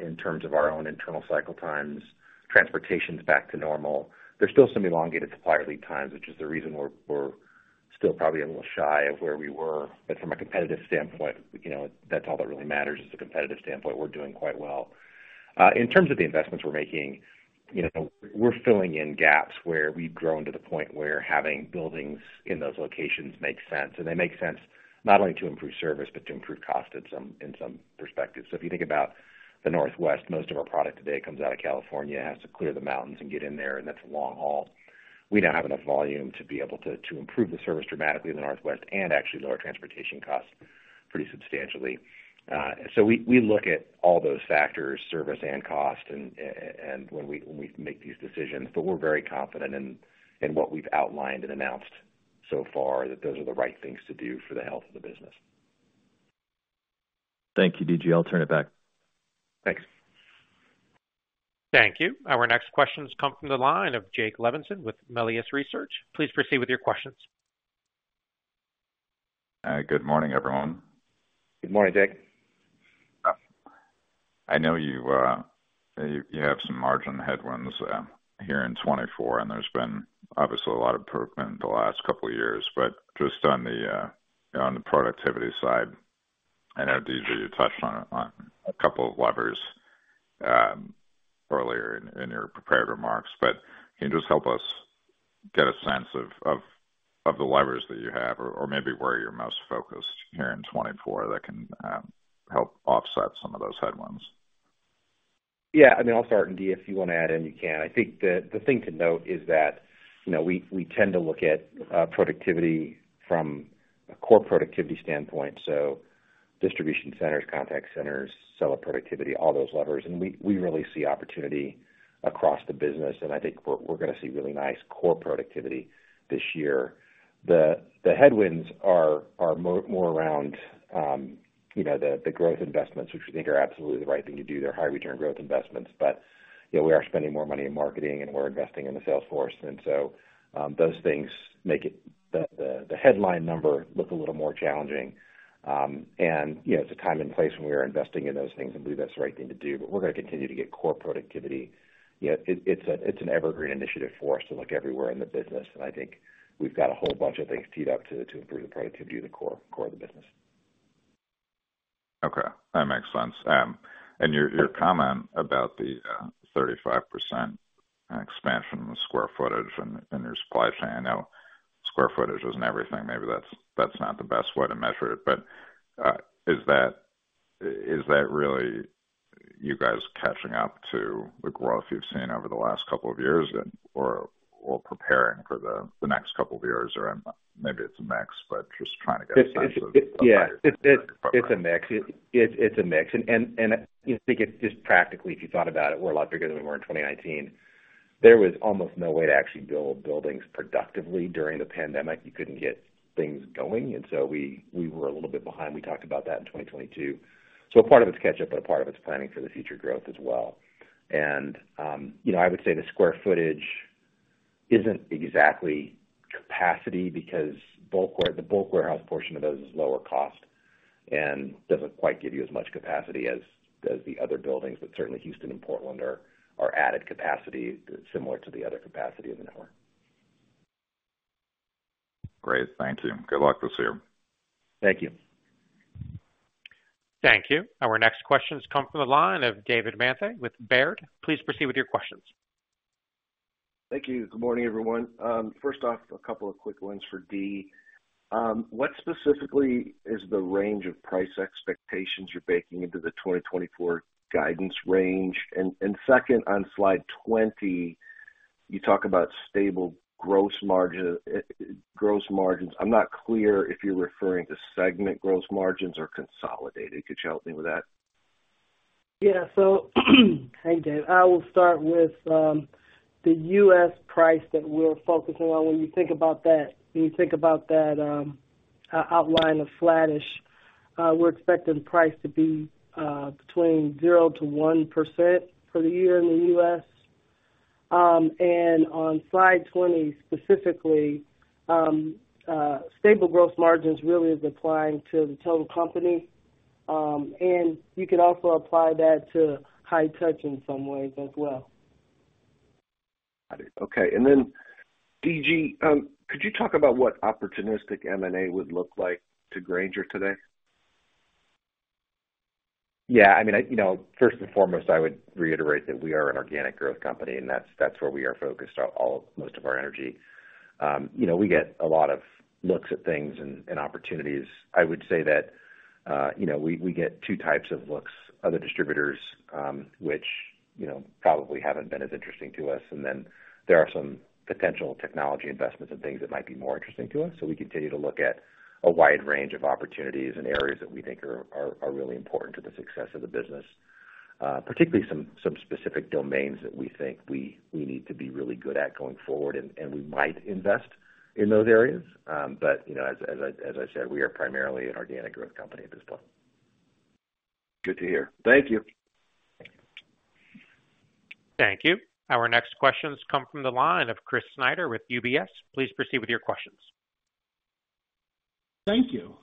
Speaker 3: in terms of our own internal cycle times. Transportation is back to normal. There's still some elongated supply lead times, which is the reason we're still probably a little shy of where we were. But from a competitive standpoint, you know, that's all that really matters is the competitive standpoint. We're doing quite well. In terms of the investments we're making, you know, we're filling in gaps where we've grown to the point where having buildings in those locations makes sense. And they make sense not only to improve service, but to improve cost in some perspectives. So if you think about the Northwest, most of our product today comes out of California, it has to clear the mountains and get in there, and that's a long haul. We now have enough volume to be able to, to improve the service dramatically in the Northwest and actually lower transportation costs pretty substantially. So we, we look at all those factors, service and cost, and when we, when we make these decisions, but we're very confident in, in what we've outlined and announced so far, that those are the right things to do for the health of the business.
Speaker 6: Thank you, D.G. I'll turn it back.
Speaker 3: Thanks.
Speaker 1: Thank you. Our next question comes from the line of Jake Levinson with Melius Research. Please proceed with your questions.
Speaker 7: Good morning, everyone.
Speaker 3: Good morning, Jake.
Speaker 7: I know you have some margin headwinds here in 2024, and there's been obviously a lot of improvement in the last couple of years. But just on the productivity side, I know, D.G., you touched on it, on a couple of levers earlier in your prepared remarks, but can you just help us get a sense of the levers that you have or maybe where you're most focused here in 2024 that can help offset some of those headwinds?
Speaker 3: Yeah, I mean, I'll start, and Dee, if you want to add in, you can. I think the thing to note is that, you know, we tend to look at productivity from a core productivity standpoint, so distribution centers, contact centers, seller productivity, all those levers. And we really see opportunity across the business, and I think we're gonna see really nice core productivity this year. The headwinds are more around, you know, the growth investments, which we think are absolutely the right thing to do. They're high return growth investments, but, you know, we are spending more money in marketing and we're investing in the sales force, and so, those things make it the headline number look a little more challenging. And, you know, it's a time and place when we are investing in those things, and we believe that's the right thing to do, but we're gonna continue to get core productivity. You know, it's an evergreen initiative for us to look everywhere in the business, and I think we've got a whole bunch of things teed up to improve the productivity of the core of the business.
Speaker 7: Okay, that makes sense. And your comment about the 35% expansion in the square footage and in your supply chain. I know square footage isn't everything. Maybe that's not the best way to measure it, but is that really you guys catching up to the growth you've seen over the last couple of years and or or preparing for the next couple of years? Or maybe it's a mix, but just trying to get a sense of.
Speaker 3: Yeah, it's a mix. It's a mix. And I think it's just practically, if you thought about it, we're a lot bigger than we were in 2019. There was almost no way to actually build buildings productively during the pandemic. You couldn't get things going, and so we were a little bit behind. We talked about that in 2022. So a part of it's catch up, but a part of it's planning for the future growth as well. And you know, I would say the square footage isn't exactly capacity because bulk warehouse portion of those is lower cost and doesn't quite give you as much capacity as the other buildings, but certainly Houston and Portland are added capacity similar to the other capacity of the network.
Speaker 7: Great. Thank you. Good luck this year.
Speaker 3: Thank you.
Speaker 1: Thank you. Our next question comes from the line of David Manthey with Baird. Please proceed with your questions.
Speaker 8: Thank you. Good morning, everyone. First off, a couple of quick ones for Dee. What specifically is the range of price expectations you're baking into the 2024 guidance range? And, second, on slide 20, you talk about stable gross margin, gross margins. I'm not clear if you're referring to segment gross margins or consolidated. Could you help me with that?
Speaker 4: Yeah, so hey, Dave, I will start with the U.S. price that we're focusing on. When you think about that, outline of flattish, we're expecting price to be between 0%-1% for the year in the U.S. And on slide 20, specifically, stable gross margins really is applying to the total company, and you can also apply that to High-Touch in some ways as well.
Speaker 8: Got it. Okay, and then D.G., could you talk about what opportunistic M&A would look like to Grainger today?
Speaker 3: Yeah, I mean, you know, first and foremost, I would reiterate that we are an organic growth company, and that's where we are focused all most of our energy. You know, we get a lot of looks at things and opportunities. I would say that, you know, we get two types of looks, other distributors, which, you know, probably haven't been as interesting to us. And then there are some potential technology investments and things that might be more interesting to us. So we continue to look at a wide range of opportunities and areas that we think are really important to the success of the business, particularly some specific domains that we think we need to be really good at going forward, and we might invest in those areas. You know, as I said, we are primarily an organic growth company at this point.
Speaker 8: Good to hear. Thank you.
Speaker 1: Thank you. Our next questions come from the line of Chris Snyder with UBS. Please proceed with your questions.
Speaker 9: Thank you.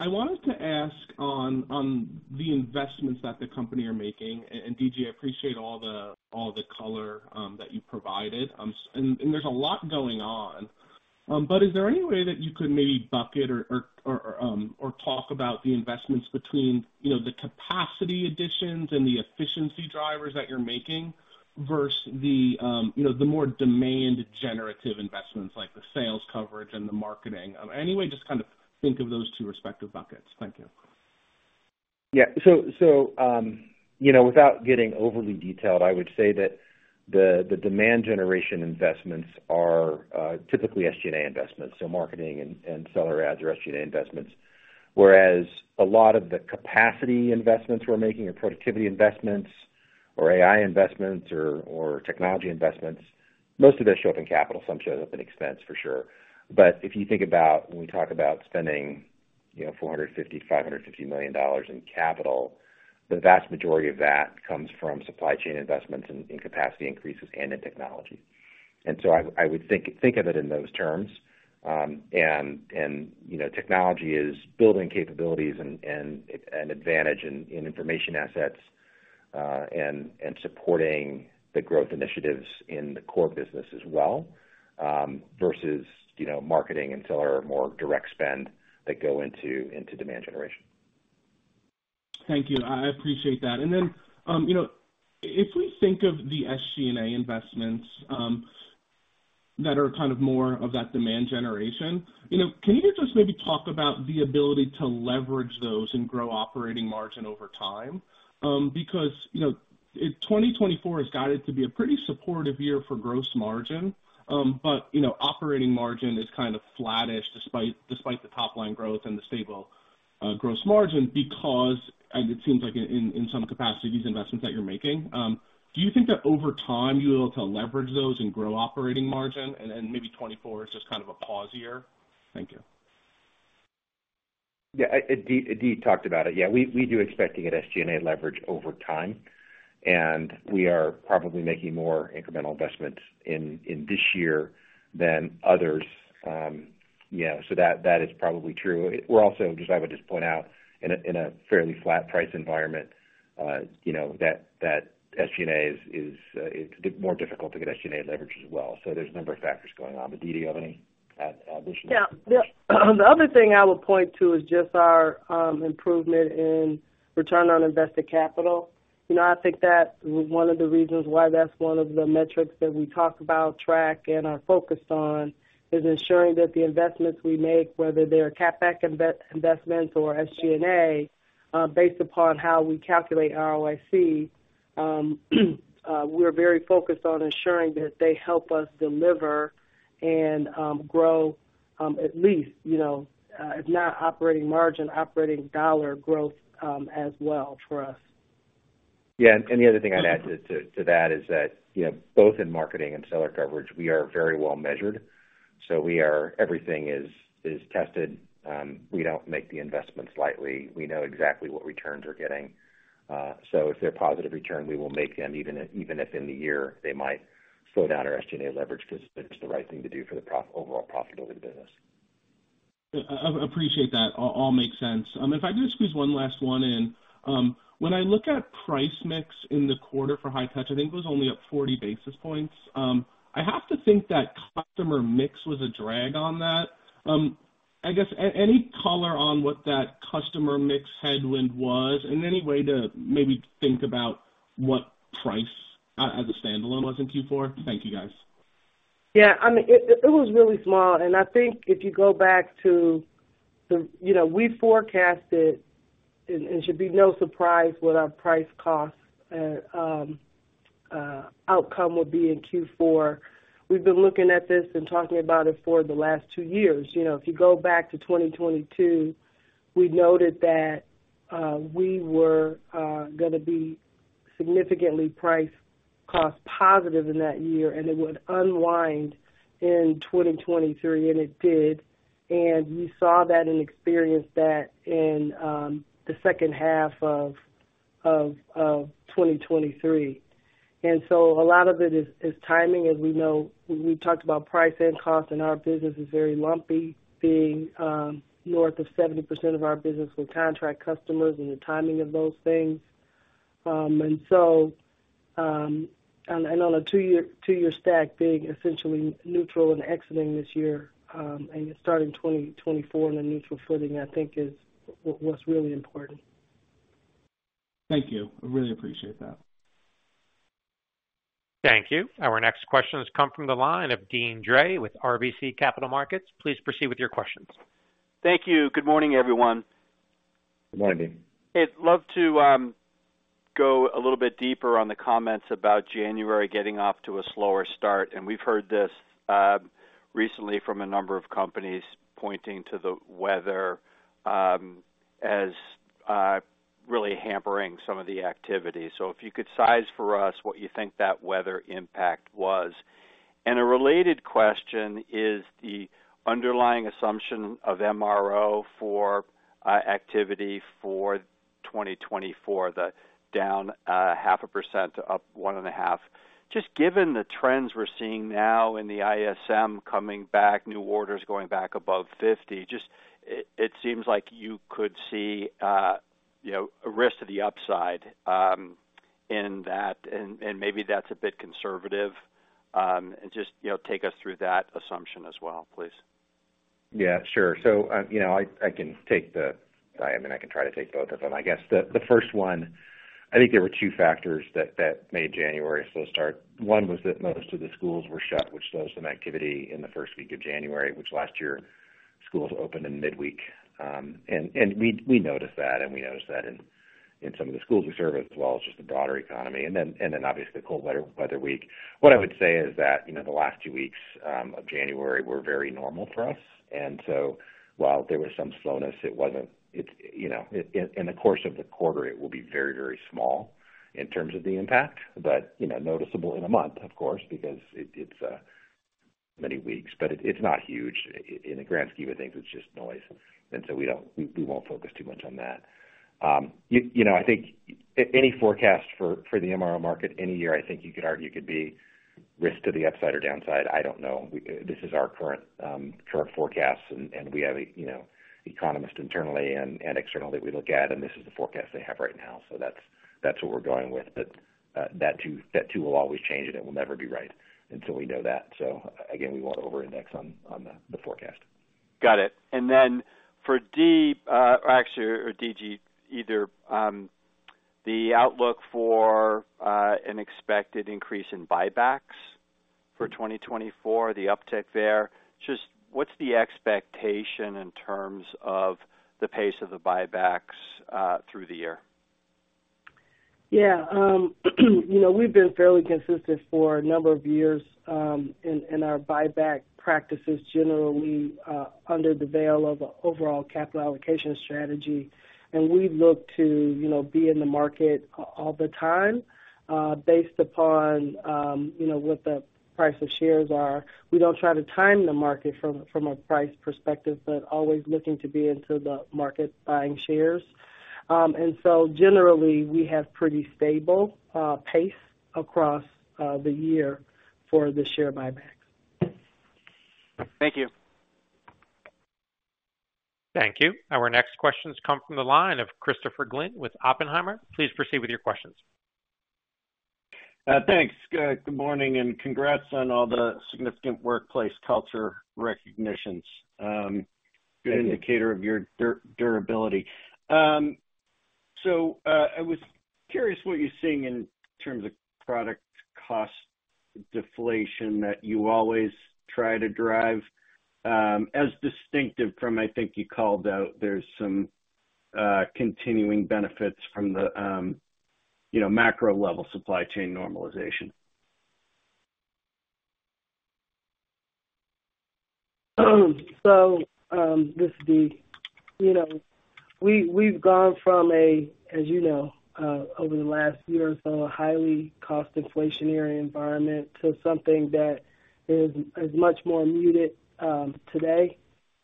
Speaker 9: I wanted to ask on the investments that the company are making, and D.G., I appreciate all the color that you provided. There's a lot going on. But is there any way that you could maybe bucket or talk about the investments between, you know, the capacity additions and the efficiency drivers that you're making versus the more demand generative investments, like the sales coverage and the marketing? Any way, just kind of think of those two respective buckets. Thank you.
Speaker 3: Yeah. So, you know, without getting overly detailed, I would say that the demand generation investments are typically SG&A investments, so marketing and seller adds are SG&A investments. Whereas a lot of the capacity investments we're making, or productivity investments, or AI investments or technology investments, most of those show up in capital, some show up in expense for sure. But if you think about when we talk about spending, you know, $450 million-$550 million in capital, the vast majority of that comes from supply chain investments in capacity increases and in technology. And so I would think of it in those terms. And, you know, technology is building capabilities and advantage in information assets and supporting the growth initiatives in the core business as well, versus, you know, marketing and sales, more direct spend that go into demand generation.
Speaker 9: Thank you. I, I appreciate that. And then, you know, if we think of the SG&A investments that are kind of more of that demand generation, you know, can you just maybe talk about the ability to leverage those and grow operating margin over time? Because, you know, if 2024 has guided to be a pretty supportive year for gross margin, but, you know, operating margin is kind of flattish, despite, despite the top line growth and the stable gross margin, because, and it seems like in, in some capacity, these investments that you're making, do you think that over time, you'll be able to leverage those and grow operating margin? And, and maybe 2024 is just kind of a pause year. Thank you.
Speaker 3: Yeah, Dee, Dee talked about it. Yeah, we do expect to get SG&A leverage over time, and we are probably making more incremental investments in this year than others. Yeah, so that is probably true. We're also just I would just point out, in a fairly flat price environment, you know, that SG&A is more difficult to get SG&A leverage as well. So there's a number of factors going on, but Dee, do you have any additional?
Speaker 4: Yeah. The other thing I would point to is just our improvement in return on invested capital. You know, I think that was one of the reasons why that's one of the metrics that we talk about, track and are focused on, is ensuring that the investments we make, whether they are CapEx investments or SG&A, based upon how we calculate ROIC, we're very focused on ensuring that they help us deliver and grow, at least, you know, if not operating margin, operating dollar growth, as well for us.
Speaker 3: Yeah, and the other thing I'd add to that is that, you know, both in marketing and seller coverage, we are very well measured. So we are... everything is tested. We don't make the investments lightly. We know exactly what returns we're getting. So if they're positive return, we will make them, even if, even if in the year, they might slow down our SG&A leverage, because it's the right thing to do for the prof- overall profitability of the business.
Speaker 9: I appreciate that. All makes sense. If I do squeeze one last one in, when I look at price mix in the quarter for high touch, I think it was only up 40 basis points. I have to think that customer mix was a drag on that. I guess any color on what that customer mix headwind was? And any way to maybe think about what price as a standalone was in Q4? Thank you, guys.
Speaker 4: Yeah, I mean, it was really small, and I think if you go back to the... You know, we forecasted, and should be no surprise what our price-cost outcome would be in Q4. We've been looking at this and talking about it for the last two years. You know, if you go back to 2022, we noted that we were gonna be significantly price-cost positive in that year, and it would unwind in 2023, and it did. And you saw that and experienced that in the second half of 2023. And so a lot of it is timing. As we know, we talked about price and cost, and our business is very lumpy, being north of 70% of our business with contract customers and the timing of those things. And so, on a two-year stack being essentially neutral and exiting this year, and starting 2024 on a neutral footing, I think is what's really important.
Speaker 10: Thank you. I really appreciate that.
Speaker 1: Thank you. Our next question has come from the line of Deane Dray with RBC Capital Markets. Please proceed with your questions.
Speaker 11: Thank you. Good morning, everyone.
Speaker 3: Good morning.
Speaker 12: I'd love to go a little bit deeper on the comments about January getting off to a slower start. And we've heard this recently from a number of companies pointing to the weather as really hampering some of the activity. So if you could size for us what you think that weather impact was. And a related question is the underlying assumption of MRO for activity for 2024, the down 0.5%, up 1.5%. Just given the trends we're seeing now in the ISM coming back, new orders going back above 50, just it seems like you could see you know a risk to the upside in that, and maybe that's a bit conservative. Just you know take us through that assumption as well, please.
Speaker 3: Yeah, sure. So, you know, I can take the... I mean, I can try to take both of them. I guess the first one, I think there were two factors that made January a slow start. One was that most of the schools were shut, which slows some activity in the first week of January, which last year, schools opened in midweek. And we noticed that, and we noticed that in some of the schools we serve, as well as just the broader economy. And then obviously, the cold weather week. What I would say is that, you know, the last two weeks of January were very normal for us. And so while there was some slowness, it wasn't... You know, in the course of the quarter, it will be very, very small in terms of the impact, but, you know, noticeable in a month, of course, because it's many weeks, but it's not huge. In the grand scheme of things, it's just noise, and so we don't—we won't focus too much on that. You know, I think any forecast for the MRO market, any year, I think you could argue, could be risk to the upside or downside. I don't know. This is our current forecast, and we have a, you know, economist internally and external that we look at, and this is the forecast they have right now. So that's what we're going with. But, that too, will always change, and it will never be right, and so we know that. So again, we won't overindex on the forecast.
Speaker 12: Got it. And then for Dee, or actually D.G., either, the outlook for an expected increase in buybacks for 2024, the uptick there, just what's the expectation in terms of the pace of the buybacks through the year?
Speaker 4: Yeah, you know, we've been fairly consistent for a number of years, in our buyback practices, generally, under the veil of overall capital allocation strategy. And we look to, you know, be in the market all the time, based upon, you know, what the price of shares are. We don't try to time the market from a price perspective, but always looking to be into the market buying shares. And so generally, we have pretty stable, pace across, the year for the share buybacks.
Speaker 12: Thank you.
Speaker 1: Thank you. Our next question comes from the line of Christopher Glynn with Oppenheimer. Please proceed with your questions.
Speaker 10: Thanks, good morning, and congrats on all the significant workplace culture recognitions. Good indicator of your durability. So, I was curious what you're seeing in terms of product cost deflation that you always try to drive, as distinctive from, I think you called out, there's some continuing benefits from the, you know, macro-level supply chain normalization.
Speaker 4: So, this is Dee. You know, we've gone from a, as you know, over the last year or so, a highly cost inflationary environment to something that is much more muted today,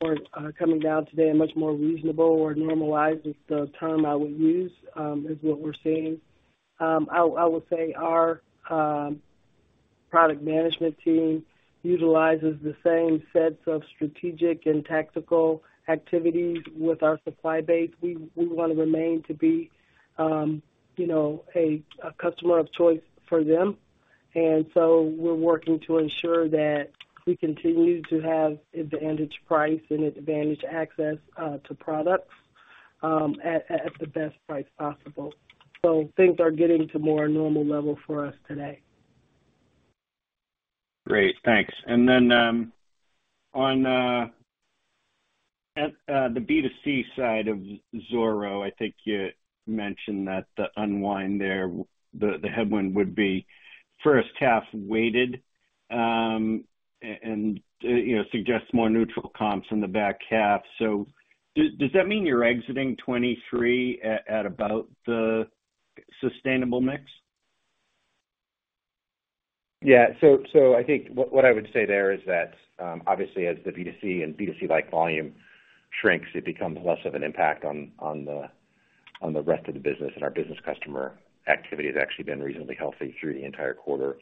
Speaker 4: or coming down today and much more reasonable or normalized, is the term I would use, is what we're seeing. I would say our product management team utilizes the same sets of strategic and tactical activities with our supply base. We want to remain to be, you know, a customer of choice for them, and so we're working to ensure that we continue to have advantaged price and advantaged access to products at the best price possible. So things are getting to more normal level for us today.
Speaker 10: Great, thanks. And then, on the B2C side of Zoro, I think you mentioned that the unwind there, the headwind would be first half weighted, and, you know, suggests more neutral comps in the back half. So does that mean you're exiting 2023 at about the sustainable mix?
Speaker 3: Yeah. So, so I think what, what I would say there is that, obviously, as the B2C and B2C-like volume shrinks, it becomes less of an impact on, on the, on the rest of the business. And our business customer activity has actually been reasonably healthy through the entire quarter.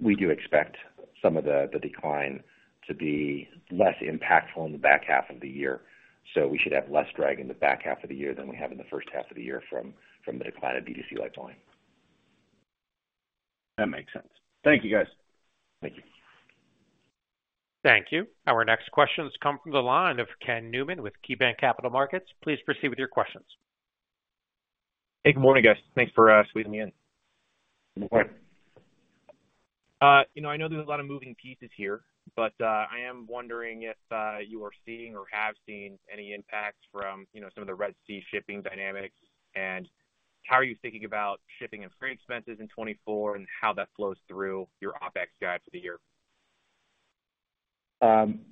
Speaker 3: We do expect some of the, the decline to be less impactful in the back half of the year. So we should have less drag in the back half of the year than we have in the first half of the year from, from the decline of B2C-like line.
Speaker 10: That makes sense. Thank you, guys.
Speaker 3: Thank you.
Speaker 1: Thank you. Our next questions come from the line of Ken Newman with KeyBanc Capital Markets. Please proceed with your questions.
Speaker 13: Hey, good morning, guys. Thanks for squeezing me in.
Speaker 3: Good morning.
Speaker 13: You know, I know there's a lot of moving pieces here, but, I am wondering if you are seeing or have seen any impacts from, you know, some of the Red Sea shipping dynamics, and how are you thinking about shipping and freight expenses in 2024, and how that flows through your OpEx guide for the year?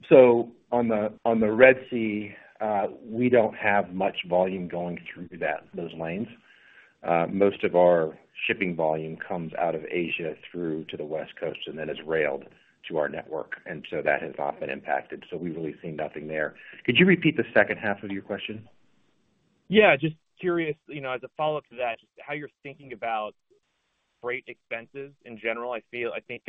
Speaker 3: So on the Red Sea, we don't have much volume going through those lanes. Most of our shipping volume comes out of Asia through to the West Coast, and then is railed to our network, and so that has not been impacted. So we've really seen nothing there. Could you repeat the second half of your question?
Speaker 13: Yeah. Just curious, you know, as a follow-up to that, just how you're thinking about freight expenses in general. I feel... I think,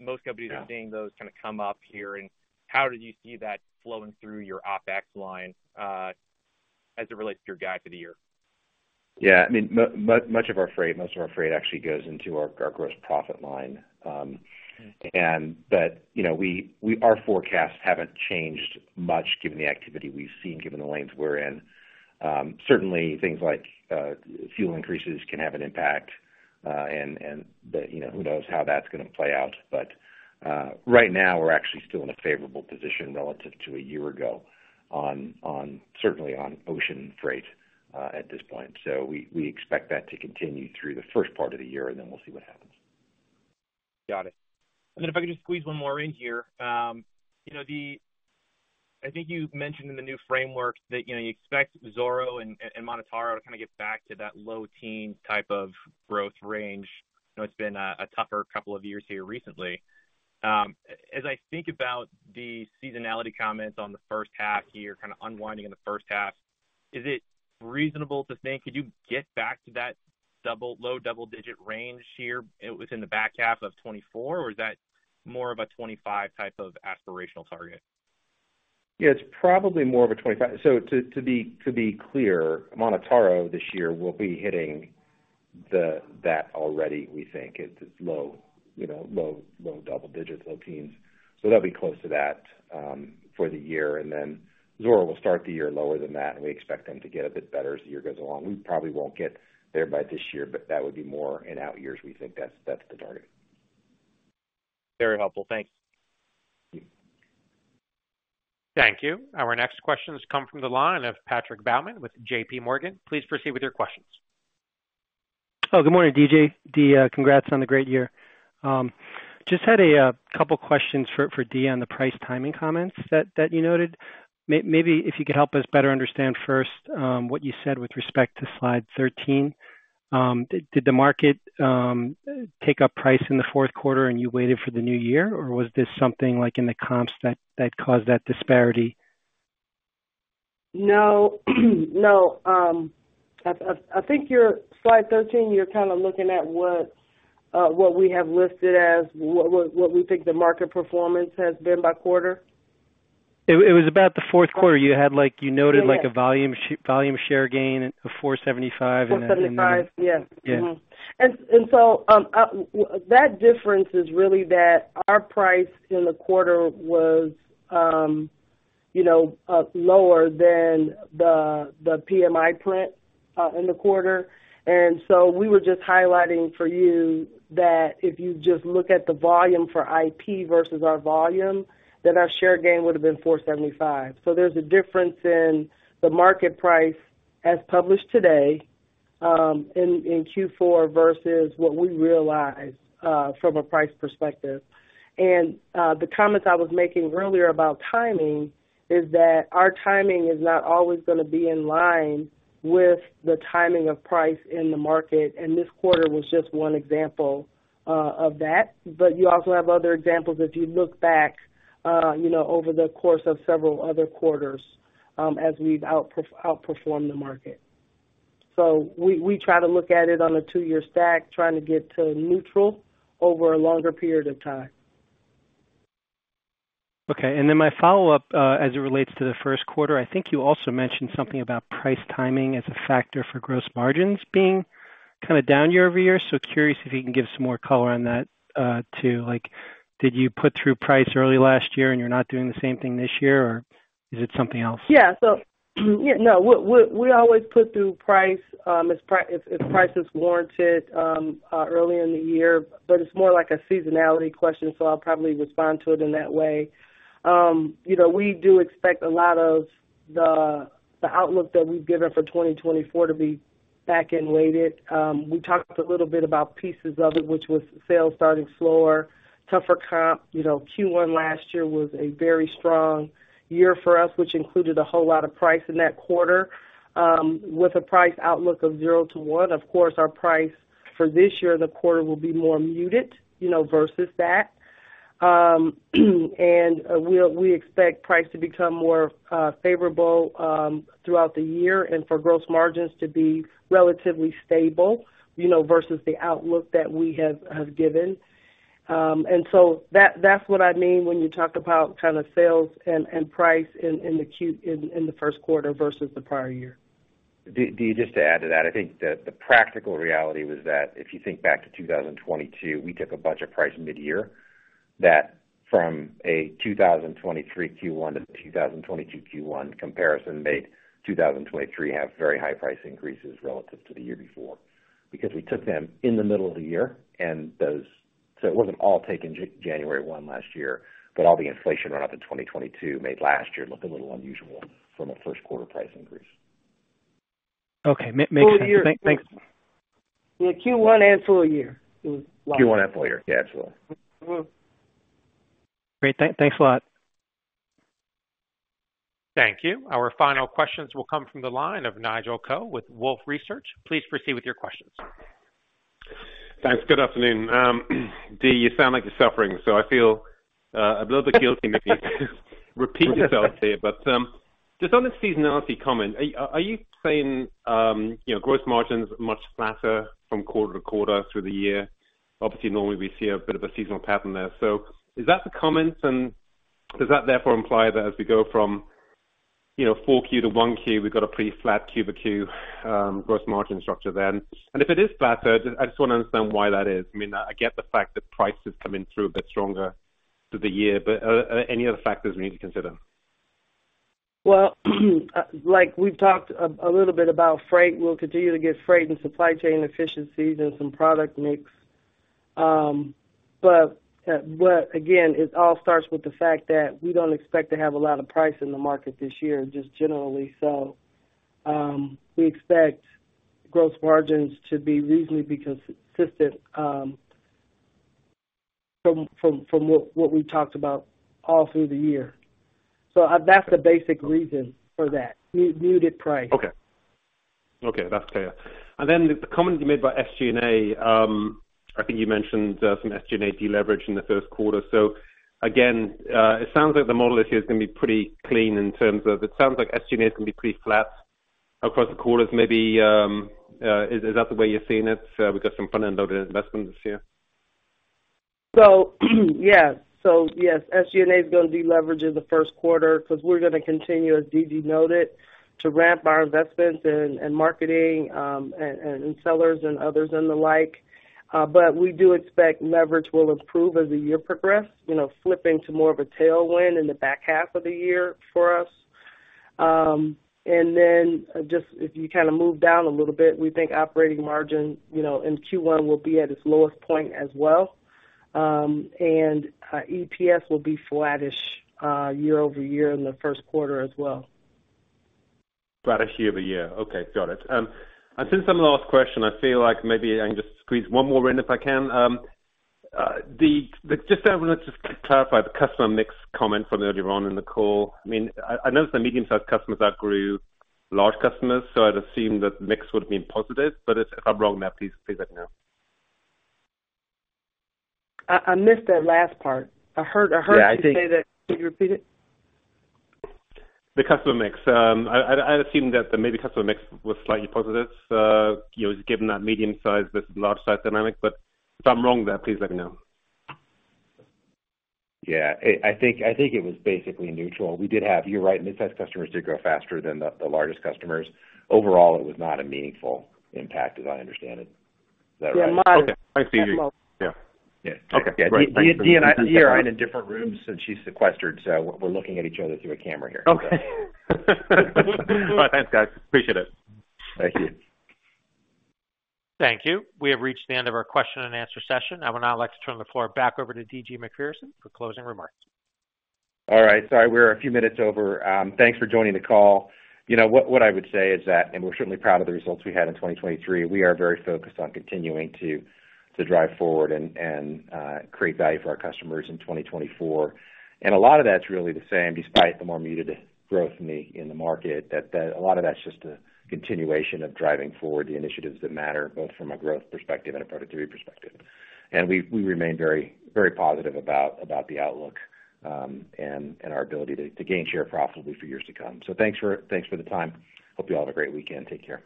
Speaker 13: most companies are seeing those kinda come up here. And how do you see that flowing through your OpEx line, as it relates to your guide for the year?
Speaker 3: Yeah. I mean, much of our freight, most of our freight actually goes into our gross profit line. You know, our forecasts haven't changed much given the activity we've seen, given the lanes we're in. Certainly, things like fuel increases can have an impact, and you know, who knows how that's gonna play out? But right now, we're actually still in a favorable position relative to a year ago on certainly on ocean freight at this point. So we expect that to continue through the first part of the year, and then we'll see what happens.
Speaker 13: Got it. Then if I could just squeeze one more in here. You know, I think you've mentioned in the new framework that, you know, you expect Zoro and MonotaRO to kind of get back to that low teen type of growth range. You know, it's been a tougher couple of years here recently. As I think about the seasonality comments on the first half here, kind of unwinding in the first half, is it reasonable to think, could you get back to that double, low double-digit range here within the back half of 2024, or is that more of a 2025 type of aspirational target?
Speaker 3: Yeah, it's probably more of a 2025. So to, to be, to be clear, MonotaRO this year will be hitting that already, we think. It's low, you know, low double digits, low teens. So they'll be close to that for the year, and then Zoro will start the year lower than that, and we expect them to get a bit better as the year goes along. We probably won't get there by this year, but that would be more in out years, we think that's, that's the target.
Speaker 13: Very helpful. Thank you.
Speaker 1: Thank you. Our next questions come from the line of Patrick Baumann with JPMorgan. Please proceed with your questions.
Speaker 14: Oh, good morning, D.G. Dee, congrats on the great year. Just had a couple questions for Dee on the price timing comments that you noted. Maybe if you could help us better understand first, what you said with respect to slide 13. Did the market take up price in the fourth quarter and you waited for the new year, or was this something like in the comps that caused that disparity?
Speaker 4: No. No, I think your slide 13, you're kind of looking at what we have listed as what we think the market performance has been by quarter.
Speaker 14: It was about the fourth quarter. You had, like you noted-
Speaker 4: Yeah.
Speaker 14: like a volume share gain of 475 and then-
Speaker 4: 475. Yes.
Speaker 14: Yeah.
Speaker 4: So, that difference is really that our price in the quarter was, you know, lower than the PMI print in the quarter. And so we were just highlighting for you that if you just look at the volume for IP versus our volume, then our share gain would have been 475. So there's a difference in the market price as published today in Q4 versus what we realized from a price perspective. And the comments I was making earlier about timing is that our timing is not always gonna be in line with the timing of price in the market, and this quarter was just one example of that. But you also have other examples if you look back, you know, over the course of several other quarters, as we've outperformed the market. So we try to look at it on a two-year stack, trying to get to neutral over a longer period of time.
Speaker 14: Okay, and then my follow-up, as it relates to the first quarter, I think you also mentioned something about price timing as a factor for gross margins being kind of down year-over-year. So curious if you can give some more color on that, too. Like, did you put through price early last year and you're not doing the same thing this year, or is it something else?
Speaker 4: Yeah. So, yeah, no, we always put through price as if price is warranted early in the year, but it's more like a seasonality question, so I'll probably respond to it in that way. You know, we do expect a lot of the outlook that we've given for 2024 to be back-end weighted. We talked a little bit about pieces of it, which was sales starting slower, tougher comp. You know, Q1 last year was a very strong year for us, which included a whole lot of price in that quarter. With a price outlook of 0%-1%, of course, our price for this year, the quarter will be more muted, you know, versus that. And we expect price to become more favorable throughout the year and for gross margins to be relatively stable, you know, versus the outlook that we have given. And so that's what I mean when you talk about kind of sales and price in the first quarter versus the prior year.
Speaker 3: Dee, Dee, just to add to that, I think that the practical reality was that if you think back to 2022, we took a budget price mid-year, that from a 2023 Q1 to 2022 Q1 comparison, made 2023 have very high price increases relative to the year before, because we took them in the middle of the year and those—so it wasn't all taken January 1 last year, but all the inflation run up in 2022 made last year look a little unusual from a first quarter price increase.
Speaker 14: Okay, makes sense. Thanks.
Speaker 4: Yeah, Q1 and full year.
Speaker 3: Q1 and full year. Yeah, absolutely.
Speaker 4: Mm-hmm.
Speaker 14: Great. Thanks a lot.
Speaker 1: Thank you. Our final questions will come from the line of Nigel Coe with Wolfe Research. Please proceed with your questions.
Speaker 15: Thanks. Good afternoon. Dee, you sound like you're suffering, so I feel a little bit guilty maybe to repeat myself here, but just on the seasonality comment, are you saying you know, gross margins much flatter from quarter to quarter through the year? Obviously, normally we see a bit of a seasonal pattern there. So is that the comment, and does that therefore imply that as we go from, you know, 4Q to 1Q, we've got a pretty flat Q-over-Q gross margin structure then? And if it is flatter, I just wanna understand why that is. I mean, I get the fact that price is coming through a bit stronger through the year, but are any other factors we need to consider?
Speaker 4: Well, like we've talked a little bit about freight, we'll continue to get freight and supply chain efficiencies and some product mix. But again, it all starts with the fact that we don't expect to have a lot of price in the market this year, just generally. So, we expect gross margins to be reasonably consistent from what we talked about all through the year. So that's the basic reason for that, muted price.
Speaker 15: Okay. Okay, that's clear. And then the comment you made about SG&A, I think you mentioned some SG&A deleverage in the first quarter. So again, it sounds like the model this year is gonna be pretty clean in terms of... It sounds like SG&A is gonna be pretty flat across the quarters. Maybe, is that the way you're seeing it, because some front-end loaded investment this year?
Speaker 4: So, yeah. So yes, SG&A is gonna deleverage in the first quarter because we're gonna continue, as D.G. noted, to ramp our investments in marketing, and sellers and others and the like. But we do expect leverage will improve as the year progressed, you know, flipping to more of a tailwind in the back half of the year for us. And then just if you kind of move down a little bit, we think operating margin, you know, in Q1 will be at its lowest point as well, and EPS will be flattish, year-over-year in the first quarter as well.
Speaker 15: Flattish year over year. Okay, got it. And since I'm the last question, I feel like maybe I can just squeeze one more in, if I can. Dee, just I wanna just clarify the customer mix comment from earlier on in the call. I mean, I noticed the medium-sized customers outgrew large customers, so I'd assume that the mix would have been positive, but if I'm wrong there, please, please let me know.
Speaker 4: I missed that last part. I heard you-
Speaker 3: Yeah, I think-
Speaker 4: - say that. Can you repeat it?
Speaker 15: The customer mix. I'd assumed that the maybe customer mix was slightly positive, you know, just given that medium size, this large size dynamic. But if I'm wrong there, please let me know.
Speaker 3: Yeah. I think it was basically neutral. We did have... You're right, mid-size customers did grow faster than the largest customers. Overall, it was not a meaningful impact, as I understand it. Is that right?
Speaker 4: Yeah, mine-
Speaker 15: Okay. Thanks, D.G. Yeah.
Speaker 3: Yeah.
Speaker 15: Okay, great.
Speaker 3: Dee and I, we are in different rooms, so she's sequestered, so we're looking at each other through a camera here.
Speaker 15: Okay. Thanks, guys. Appreciate it.
Speaker 3: Thank you.
Speaker 1: Thank you. We have reached the end of our question and answer session. I would now like to turn the floor back over to D.G. Macpherson for closing remarks.
Speaker 3: All right. Sorry, we're a few minutes over. Thanks for joining the call. You know, what, what I would say is that, and we're certainly proud of the results we had in 2023, we are very focused on continuing to, to drive forward and, and, create value for our customers in 2024. And a lot of that's really the same, despite the more muted growth in the, in the market, that, that a lot of that's just a continuation of driving forward the initiatives that matter, both from a growth perspective and a productivity perspective. And we, we remain very, very positive about, about the outlook, and, and our ability to, to gain share profitably for years to come. So thanks for, thanks for the time. Hope you all have a great weekend. Take care.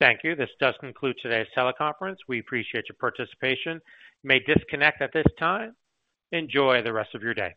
Speaker 1: Thank you. This does conclude today's teleconference. We appreciate your participation. You may disconnect at this time. Enjoy the rest of your day.